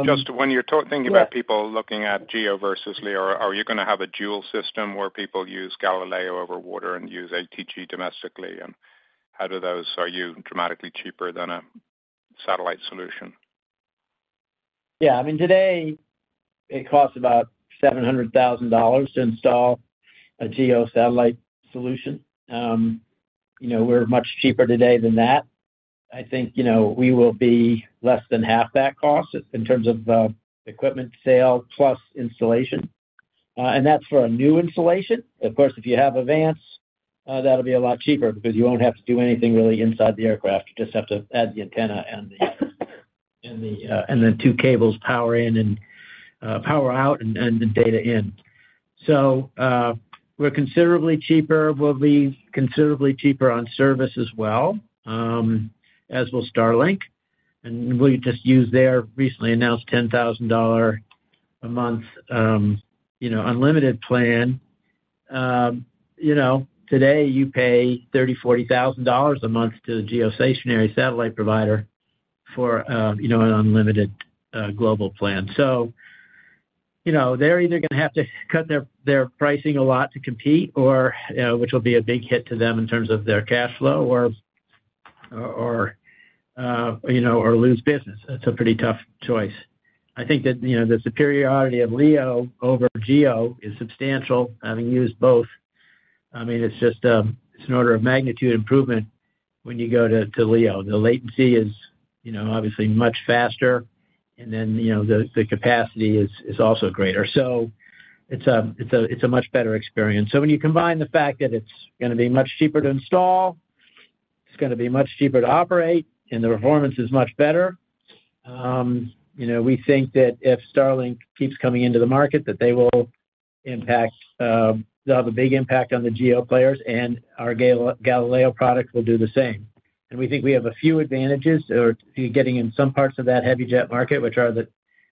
Just when you're thinking about people looking at GEO versus LEO, are you gonna have a dual system where people use Galileo over water and use ATG domestically? And how do those—are you dramatically cheaper than a satellite solution? Yeah. I mean, today, it costs about $700,000 to install a GEO satellite solution. You know, we're much cheaper today than that. I think, you know, we will be less than half that cost in terms of, equipment sale plus installation. And that's for a new installation. Of course, if you have AVANCE, that'll be a lot cheaper because you won't have to do anything really inside the aircraft. You just have to add the antenna and the two cables, power in and power out, and the data in. So, we're considerably cheaper. We'll be considerably cheaper on service as well, as will Starlink. And we just used their recently announced $10,000 a month, you know, unlimited plan. You know, today, you pay $30,000-$40,000 a month to a geostationary satellite provider for, you know, an unlimited global plan. So, you know, they're either gonna have to cut their their pricing a lot to compete, or, which will be a big hit to them in terms of their cash flow, or, or, you know, or lose business. That's a pretty tough choice. I think that, you know, the superiority of LEO over GEO is substantial, having used both. I mean, it's just, it's an order of magnitude improvement when you go to, to LEO. The latency is, you know, obviously much faster, and then, you know, the, the capacity is, is also greater. So it's a, it's a, it's a much better experience. So when you combine the fact that it's gonna be much cheaper to install, it's gonna be much cheaper to operate, and the performance is much better, you know, we think that if Starlink keeps coming into the market, that they will impact, they'll have a big impact on the GEO players, and our Galileo product will do the same. And we think we have a few advantages or getting in some parts of that heavy jet market, which are that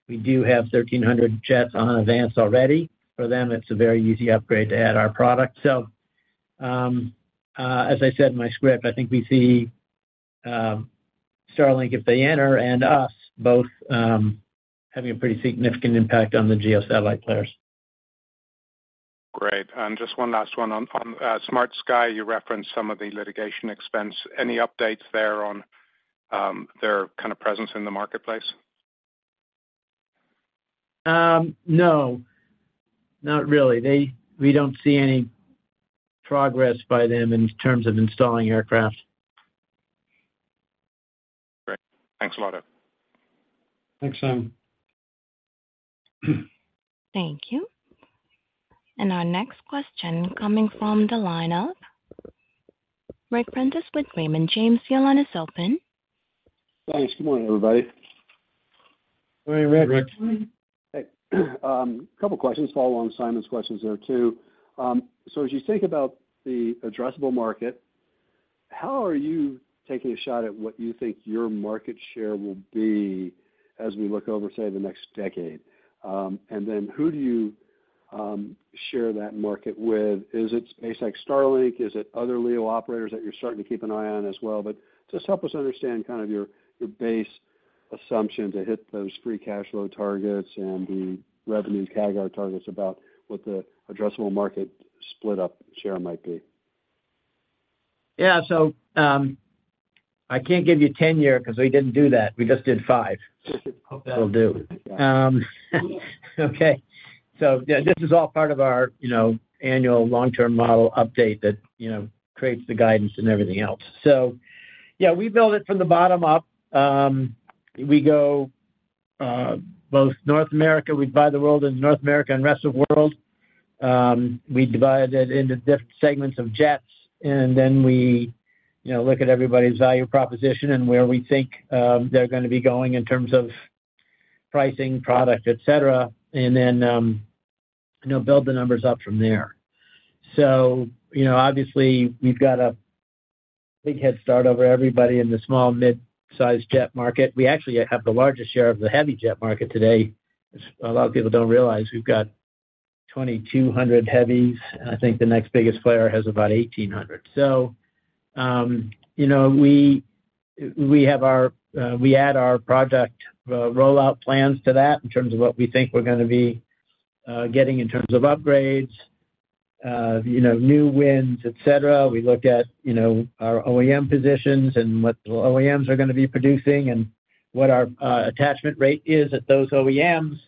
we do have 1,300 jets on AVANCE already. For them, it's a very easy upgrade to add our product. So, as I said in my script, I think we see, Starlink, if they enter, and us both, having a pretty significant impact on the GEO satellite players. Great. Just one last one. On SmartSky, you referenced some of the litigation expense. Any updates there on their kind of presence in the marketplace? No, not really. They, we don't see any progress by them in terms of installing aircraft. Great. Thanks a lot. Thanks, Simon. Thank you. And our next question coming from the line of Rick Prentiss with Raymond James. Your line is open. Thanks. Good morning, everybody. Good morning, Rick. Good morning. Hey, a couple questions to follow along Simon's questions there, too. So as you think about the addressable market, how are you taking a shot at what you think your market share will be as we look over, say, the next decade? And then who do you share that market with? Is it SpaceX Starlink? Is it other LEO operators that you're starting to keep an eye on as well? But just help us understand kind of your, your base assumption to hit those free cash flow targets and the revenue CAGR targets about what the addressable market split up share might be? Yeah. So, I can't give you 10-year because we didn't do that. We just did 5. Hope that Will do. Okay. So yeah, this is all part of our, you know, annual long-term model update that, you know, creates the guidance and everything else. So yeah, we build it from the bottom up. We go both North America, we divide the world into North America and rest of world. We divide it into different segments of jets, and then we, you know, look at everybody's value proposition and where we think they're gonna be going in terms of pricing, product, et cetera, and then, you know, build the numbers up from there. So, you know, obviously, we've got a big head start over everybody in the small, mid-sized jet market. We actually have the largest share of the heavy jet market today, which a lot of people don't realize. We've got 2,200 heavies, and I think the next biggest player has about 1,800. So, you know, we have our, we add our project rollout plans to that in terms of what we think we're gonna be getting in terms of upgrades, you know, new wins, et cetera. We look at, you know, our OEM positions and what the OEMs are gonna be producing and what our attachment rate is at those OEMs.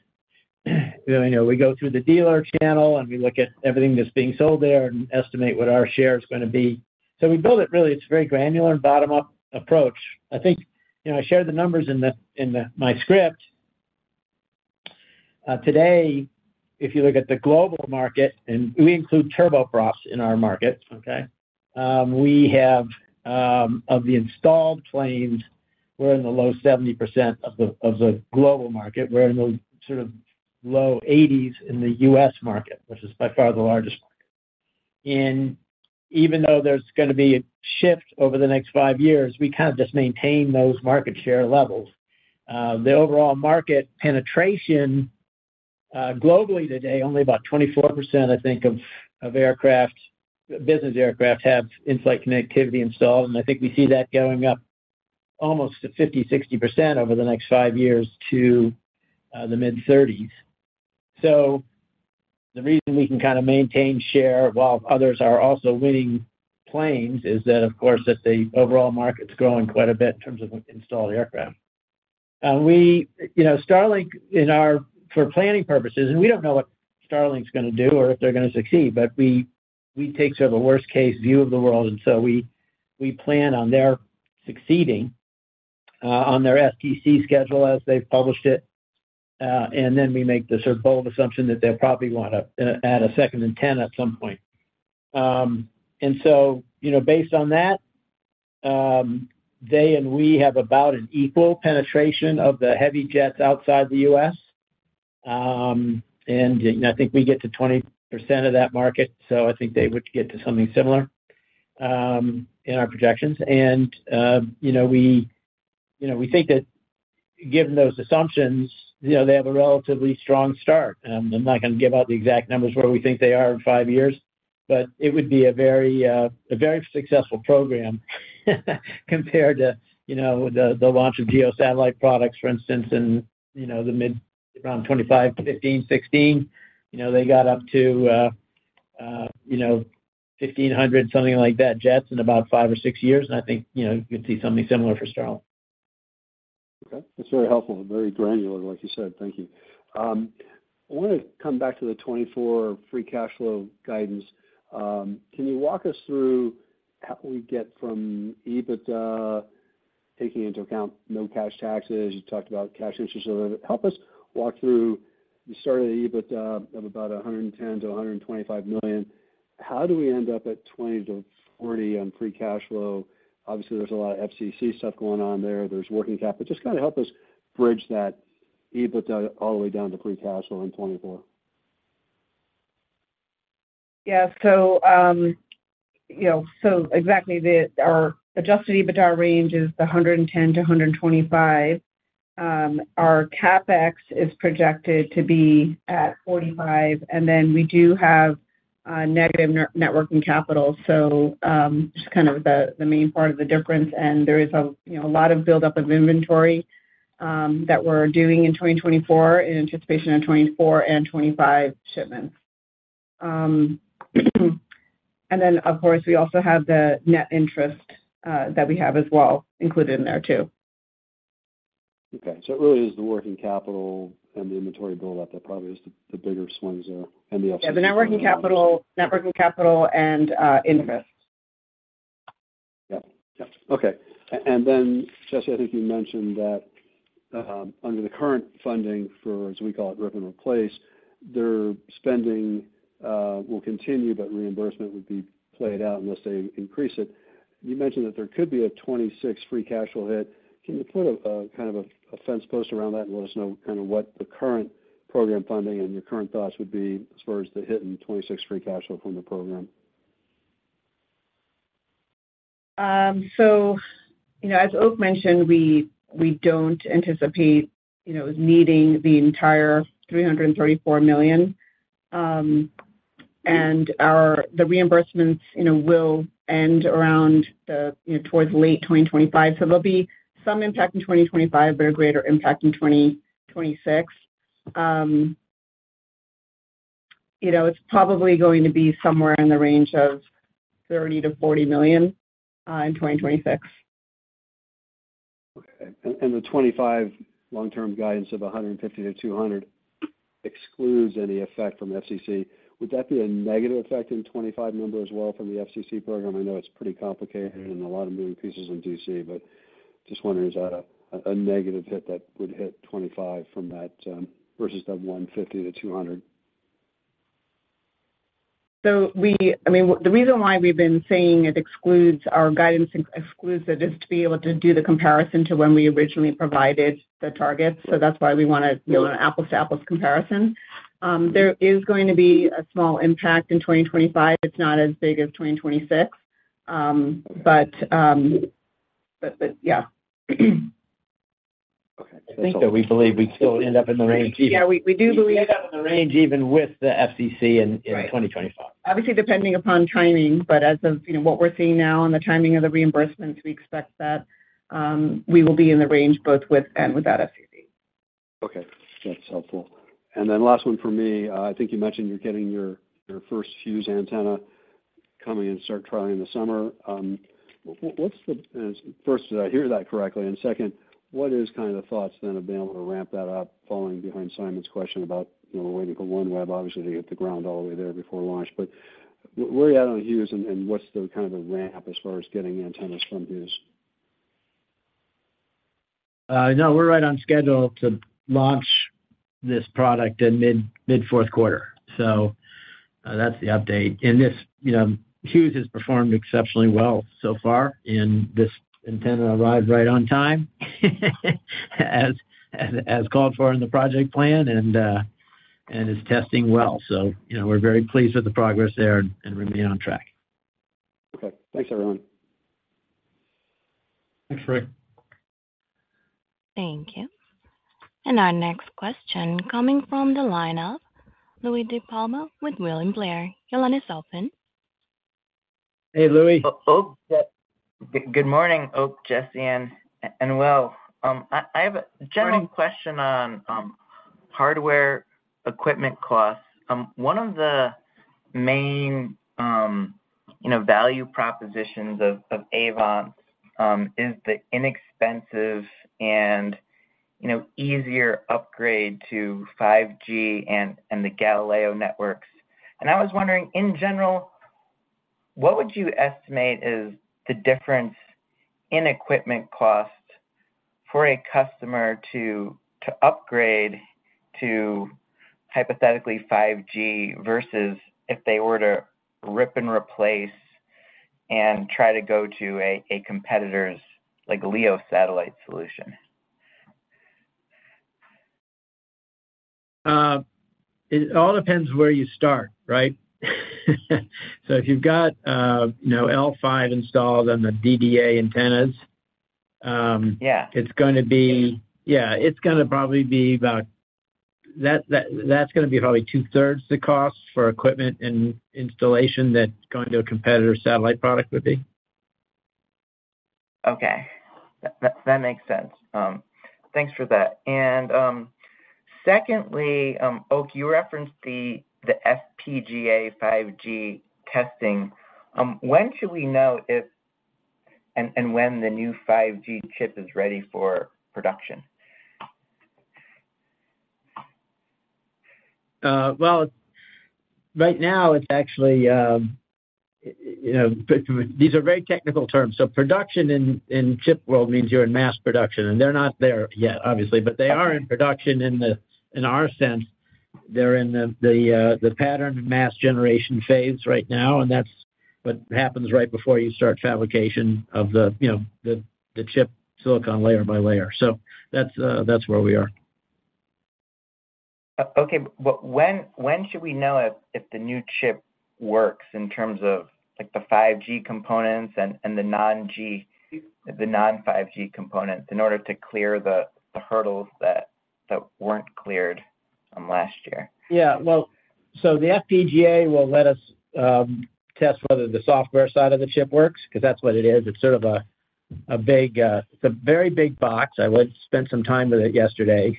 You know, we go through the dealer channel, and we look at everything that's being sold there and estimate what our share is gonna be. So we build it. Really, it's very granular and bottom-up approach. I think, you know, I shared the numbers in my script. Today, if you look at the global market, and we include turboprops in our market, okay? We have, of the installed planes, we're in the low 70% of the, of the global market. We're in the sort of low 80s in the U.S. market, which is by far the largest market. And even though there's gonna be a shift over the next 5 years, we kind of just maintain those market share levels. The overall market penetration, globally, today, only about 24%, I think, of, of aircraft, business aircraft, have in-flight connectivity installed, and I think we see that going up almost to 50%-60% over the next 5 years to, the mid-30s. So the reason we can kind of maintain share while others are also winning planes is that, of course, that the overall market's growing quite a bit in terms of installed aircraft. We, you know, Starlink, in our, for planning purposes, and we don't know what Starlink's gonna do or if they're gonna succeed, but we take sort of a worst case view of the world, and so we plan on their succeeding on their FCC schedule as they've published it, and then we make the sort of bold assumption that they'll probably want to add a second antenna at some point. And so, you know, based on that, they and we have about an equal penetration of the heavy jets outside the U.S. And, you know, I think we get to 20% of that market, so I think they would get to something similar in our projections. And, you know, we think that given those assumptions, you know, they have a relatively strong start. I'm not gonna give out the exact numbers where we think they are in five years, but it would be a very, a very successful program, compared to, you know, the, the launch of GEO satellite products, for instance, in, you know, the mid, around 2015, 2016. You know, they got up to, you know, 1,500, something like that, jets in about five or six years. I think, you know, you'd see something similar for Starlink. Okay. That's very helpful and very granular, like you said. Thank you. I want to come back to the 2024 free cash flow guidance. Can you walk us through how we get from EBITDA, taking into account no cash taxes? You talked about cash interest. So help us walk through the start of the EBITDA of about $110 million-$125 million. How do we end up at $20 million-$40 million on free cash flow? Obviously, there's a lot of FCC stuff going on there. There's working capital. But just kind of help us bridge that EBITDA all the way down to free cash flow in 2024. Yeah. So, you know, so exactly, our adjusted EBITDA range is $110-$125. Our CapEx is projected to be at $45, and then we do have negative net working capital, so just kind of the main part of the difference, and there is a, you know, a lot of buildup of inventory that we're doing in 2024, in anticipation of 2024 and 2025 shipments. And then, of course, we also have the net interest that we have as well, included in there too. Okay, so it really is the working capital and the inventory buildup that probably is the bigger swings there, and the— Yeah, the net working capital and interest. Yeah. Yeah. Okay. And then, Jessi, I think you mentioned that, under the current funding for, as we call it, rip and replace, their spending will continue, but reimbursement would be played out unless they increase it. You mentioned that there could be a 2026 free cash flow hit. Can you put a fence post around that and let us know kind of what the current program funding and your current thoughts would be as far as the hit in 2026 free cash flow from the program? So, you know, as Oak mentioned, we, we don't anticipate, you know, needing the entire $334 million. And the reimbursements, you know, will end around the, you know, towards late 2025. So there'll be some impact in 2025, but a greater impact in 2026. You know, it's probably going to be somewhere in the range of $30 million-$40 million in 2026. Okay. And, and the 25 long-term guidance of 150-200 excludes any effect from FCC. Would that be a negative effect in the 25 number as well from the FCC program? I know it's pretty complicated and a lot of moving pieces in D.C., but just wondering, is that a negative hit that would hit 25 from that versus that 150-200? So we—I mean, the reason why we've been saying it excludes, our guidance excludes it, is to be able to do the comparison to when we originally provided the targets. So that's why we wanna, you know, an apples-to-apples comparison. There is going to be a small impact in 2025. It's not as big as 2026. But yeah. Okay. I think that we believe we'd still end up in the range even— Yeah, we do believe We end up in the range even with the FCC in 2025. Right. Obviously, depending upon timing, but as of, you know, what we're seeing now and the timing of the reimbursements, we expect that we will be in the range both with and without FCC. Okay, that's helpful. And then last one for me. I think you mentioned you're getting your, your first Hughes antenna coming in, start trial in the summer. What's the—first, did I hear that correctly? And second, what is kind of the thoughts then of being able to ramp that up, following behind Simon's question about, you know, waiting for OneWeb, obviously, to hit the ground all the way there before launch. But where are you at on Hughes, and, and what's the kind of the ramp as far as getting antennas from Hughes? No, we're right on schedule to launch this product in mid-fourth quarter. So, that's the update. And this, you know, Hughes has performed exceptionally well so far, and this antenna arrived right on time, as called for in the project plan, and is testing well. So, you know, we're very pleased with the progress there and remain on track. Okay. Thanks, everyone. Thanks, Rick. Thank you. Our next question coming from the line of Louie DiPalma with William Blair. Your line is open. Hey, Louie. Oak. Good morning, Oak, Jessi, and Will. I have a general question on hardware equipment costs. One of the main, you know, value propositions of AVANCE is the inexpensive and, you know, easier upgrade to 5G and the Galileo networks. And I was wondering, in general, what would you estimate is the difference in equipment cost for a customer to upgrade to hypothetically 5G versus if they were to rip and replace and try to go to a competitor's like LEO satellite solution. It all depends where you start, right? So if you've got, you know, L5 installed on the DDA antennas. Yeah. It's gonna be. Yeah, it's gonna probably be about that. That's gonna be probably two-thirds the cost for equipment and installation that going to a competitor's satellite product would be. Okay. That, that makes sense. Thanks for that. And, secondly, Oak, you referenced the FPGA 5G testing. When should we know if and when the new 5G chip is ready for production? Well, right now, it's actually, you know, these are very technical terms. So production in chip world means you're in mass production, and they're not there yet, obviously. But they are in production in our sense. They're in the pattern and mask generation phase right now, and that's what happens right before you start fabrication of the, you know, the chip silicon layer by layer. So that's where we are. Okay. But when should we know if the new chip works in terms of, like, the 5G components and the non-5G components, in order to clear the hurdles that weren't cleared from last year? Yeah. Well, so the FPGA will let us test whether the software side of the chip works, 'cause that's what it is. It's sort of a big, it's a very big box. I went and spent some time with it yesterday.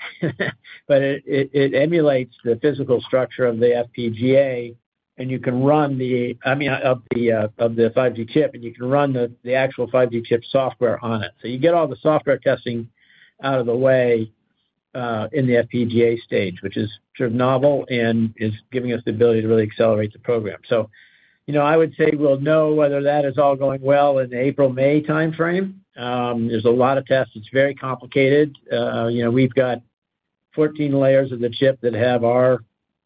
But it emulates the physical structure of the FPGA, and you can run the—I mean, of the 5G chip, and you can run the actual 5G chip software on it. So you get all the software testing out of the way in the FPGA stage, which is sort of novel and is giving us the ability to really accelerate the program. So, you know, I would say we'll know whether that is all going well in April, May timeframe. There's a lot of tests. It's very complicated. You know, we've got 14 layers of the chip that have our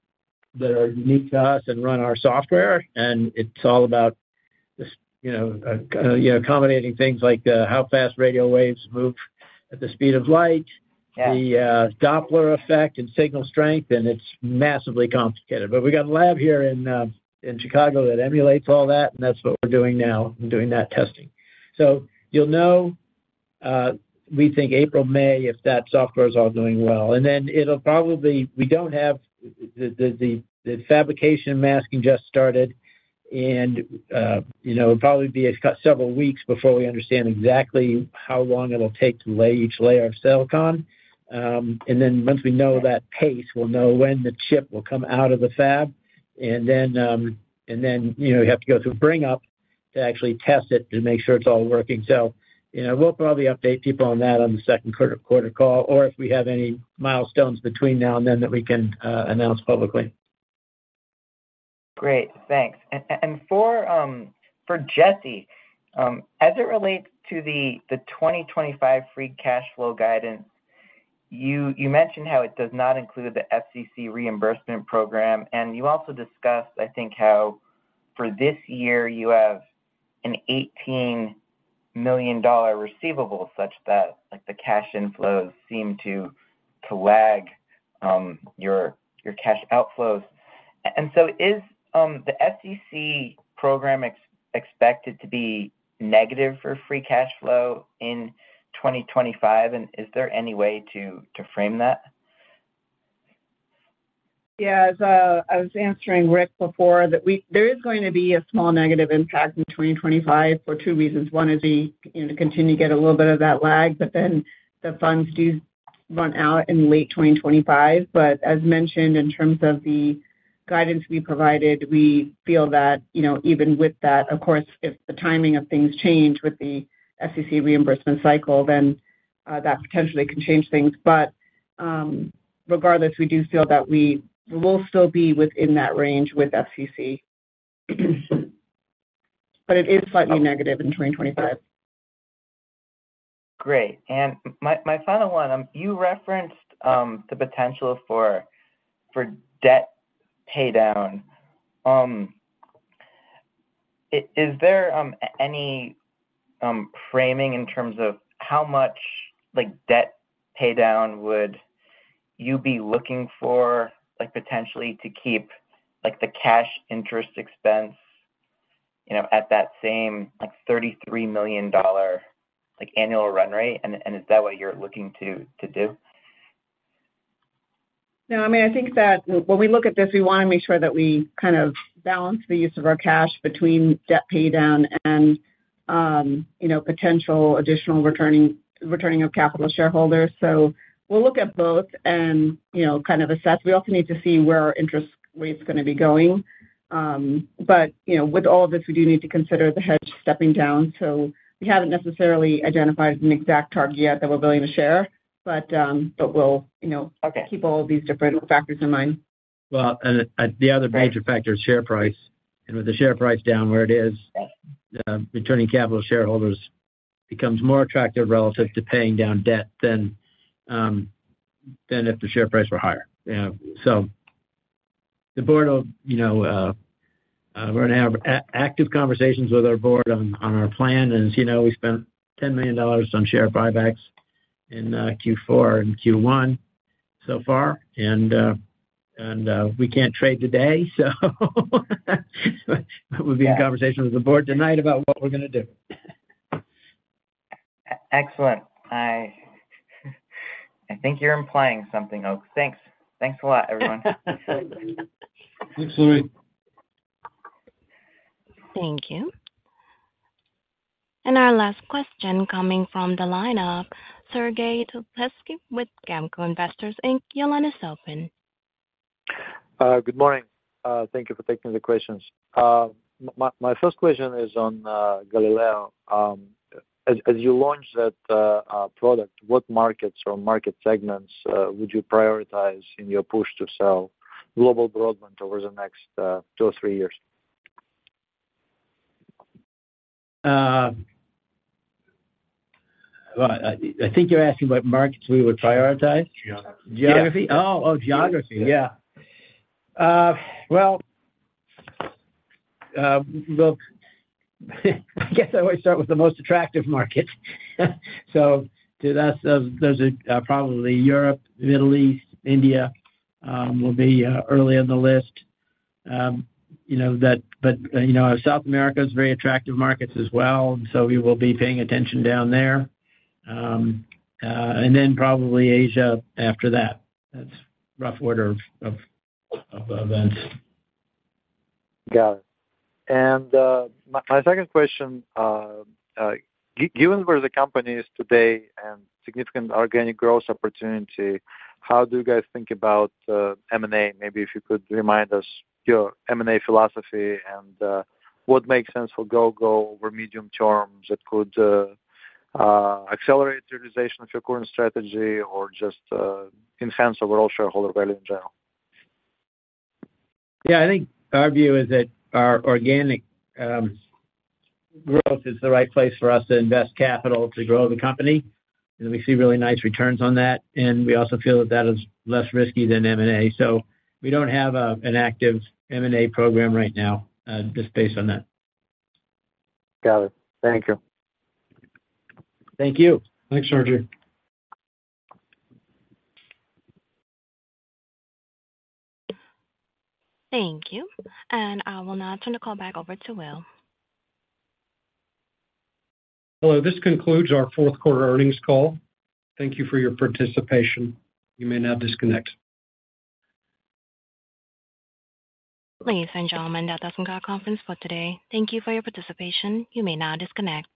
- that are unique to us and run our software, and it's all about this, you know, accommodating things like how fast radio waves move at the speed of light, the Doppler effect and signal strength, and it's massively complicated. But we got a lab here in Chicago that emulates all that, and that's what we're doing now in doing that testing. So you'll know, we think April, May, if that software is all doing well, and then it'll probably - we don't have the fabrication masking just started, and you know, it'll probably be several weeks before we understand exactly how long it'll take to lay each layer of silicon. And then once we know that pace, we'll know when the chip will come out of the fab. And then, and then, you know, we have to go through bring-up to actually test it to make sure it's all working. So, you know, we'll probably update people on that on the second quarter call, or if we have any milestones between now and then that we can announce publicly. Great, thanks. And for Jessi, as it relates to the 2025 free cash flow guidance, you mentioned how it does not include the FCC reimbursement program, and you also discussed, I think, how for this year you have an $18 million receivable such that, like, the cash inflows seem to lag your cash outflows. And so is the FCC program expected to be negative for free cash flow in 2025, and is there any way to frame that? Yeah, as I was answering Rick before, that we there is going to be a small negative impact in 2025 for two reasons. One is the, you know, continue to get a little bit of that lag, but then the funds do run out in late 2025. But as mentioned, in terms of the guidance we provided, we feel that, you know, even with that, of course, if the timing of things change with the FCC reimbursement cycle, then that potentially can change things. But regardless, we do feel that we will still be within that range with FCC. But it is slightly negative in 2025. Great. And my final one, you referenced the potential for debt paydown. Is there any framing in terms of how much, like, debt paydown would you be looking for, like, potentially to keep, like, the cash interest expense, you know, at that same, like, $33 million dollar, like, annual run rate? And is that what you're looking to do? No, I mean, I think that when we look at this, we wanna make sure that we kind of balance the use of our cash between debt paydown and, you know, potential additional returning, returning of capital to shareholders. So we'll look at both and, you know, kind of assess. We also need to see where our interest rate's gonna be going. But, you know, with all of this, we do need to consider the hedge stepping down. So we haven't necessarily identified an exact target yet that we're willing to share, but, but we'll, you know— Okay. Keep all these different factors in mind. Well, and, the other major factor is share price. With the share price down where it is. Right. Returning capital to shareholders becomes more attractive relative to paying down debt than if the share price were higher. Yeah, so the board will, you know, we're gonna have active conversations with our board on our plan. And as you know, we spent $10 million on share buybacks in Q4 and Q1 so far, and we can't trade today, so but we'll be in conversation with the board tonight about what we're gonna do. Excellent. I think you're implying something, Oak. Thanks. Thanks a lot, everyone. Thanks, Louis. Thank you. And our last question coming from the line of Sergey Dluzhevskiy with GAMCO Investors, Inc. Your line is open. Good morning. Thank you for taking the questions. My first question is on Galileo. As you launch that product, what markets or market segments would you prioritize in your push to sell global broadband over the next two or three years? Well, I think you're asking what markets we would prioritize? Geography. Geography? Yeah. Oh, oh, geography. Yeah. Yeah. Well, look, I guess I always start with the most attractive market. So to us, those are probably Europe, Middle East, India will be early on the list. You know, that, but you know, South America is very attractive markets as well, so we will be paying attention down there. And then probably Asia after that. That's rough order of events. Got it. And, my second question, given where the company is today and significant organic growth opportunity, how do you guys think about, M&A? Maybe if you could remind us your M&A philosophy and, what makes sense for Gogo over medium term that could, accelerate the realization of your current strategy or just, enhance overall shareholder value in general? Yeah, I think our view is that our organic growth is the right place for us to invest capital to grow the company, and we see really nice returns on that, and we also feel that that is less risky than M&A. So we don't have an active M&A program right now, just based on that. Got it. Thank you. Thank you. Thanks, Sergey. Thank you, and I will now turn the call back over to Will. Hello, this concludes our fourth quarter earnings call. Thank you for your participation. You may now disconnect. Ladies and gentlemen, that does end our conference for today. Thank you for your participation. You may now disconnect.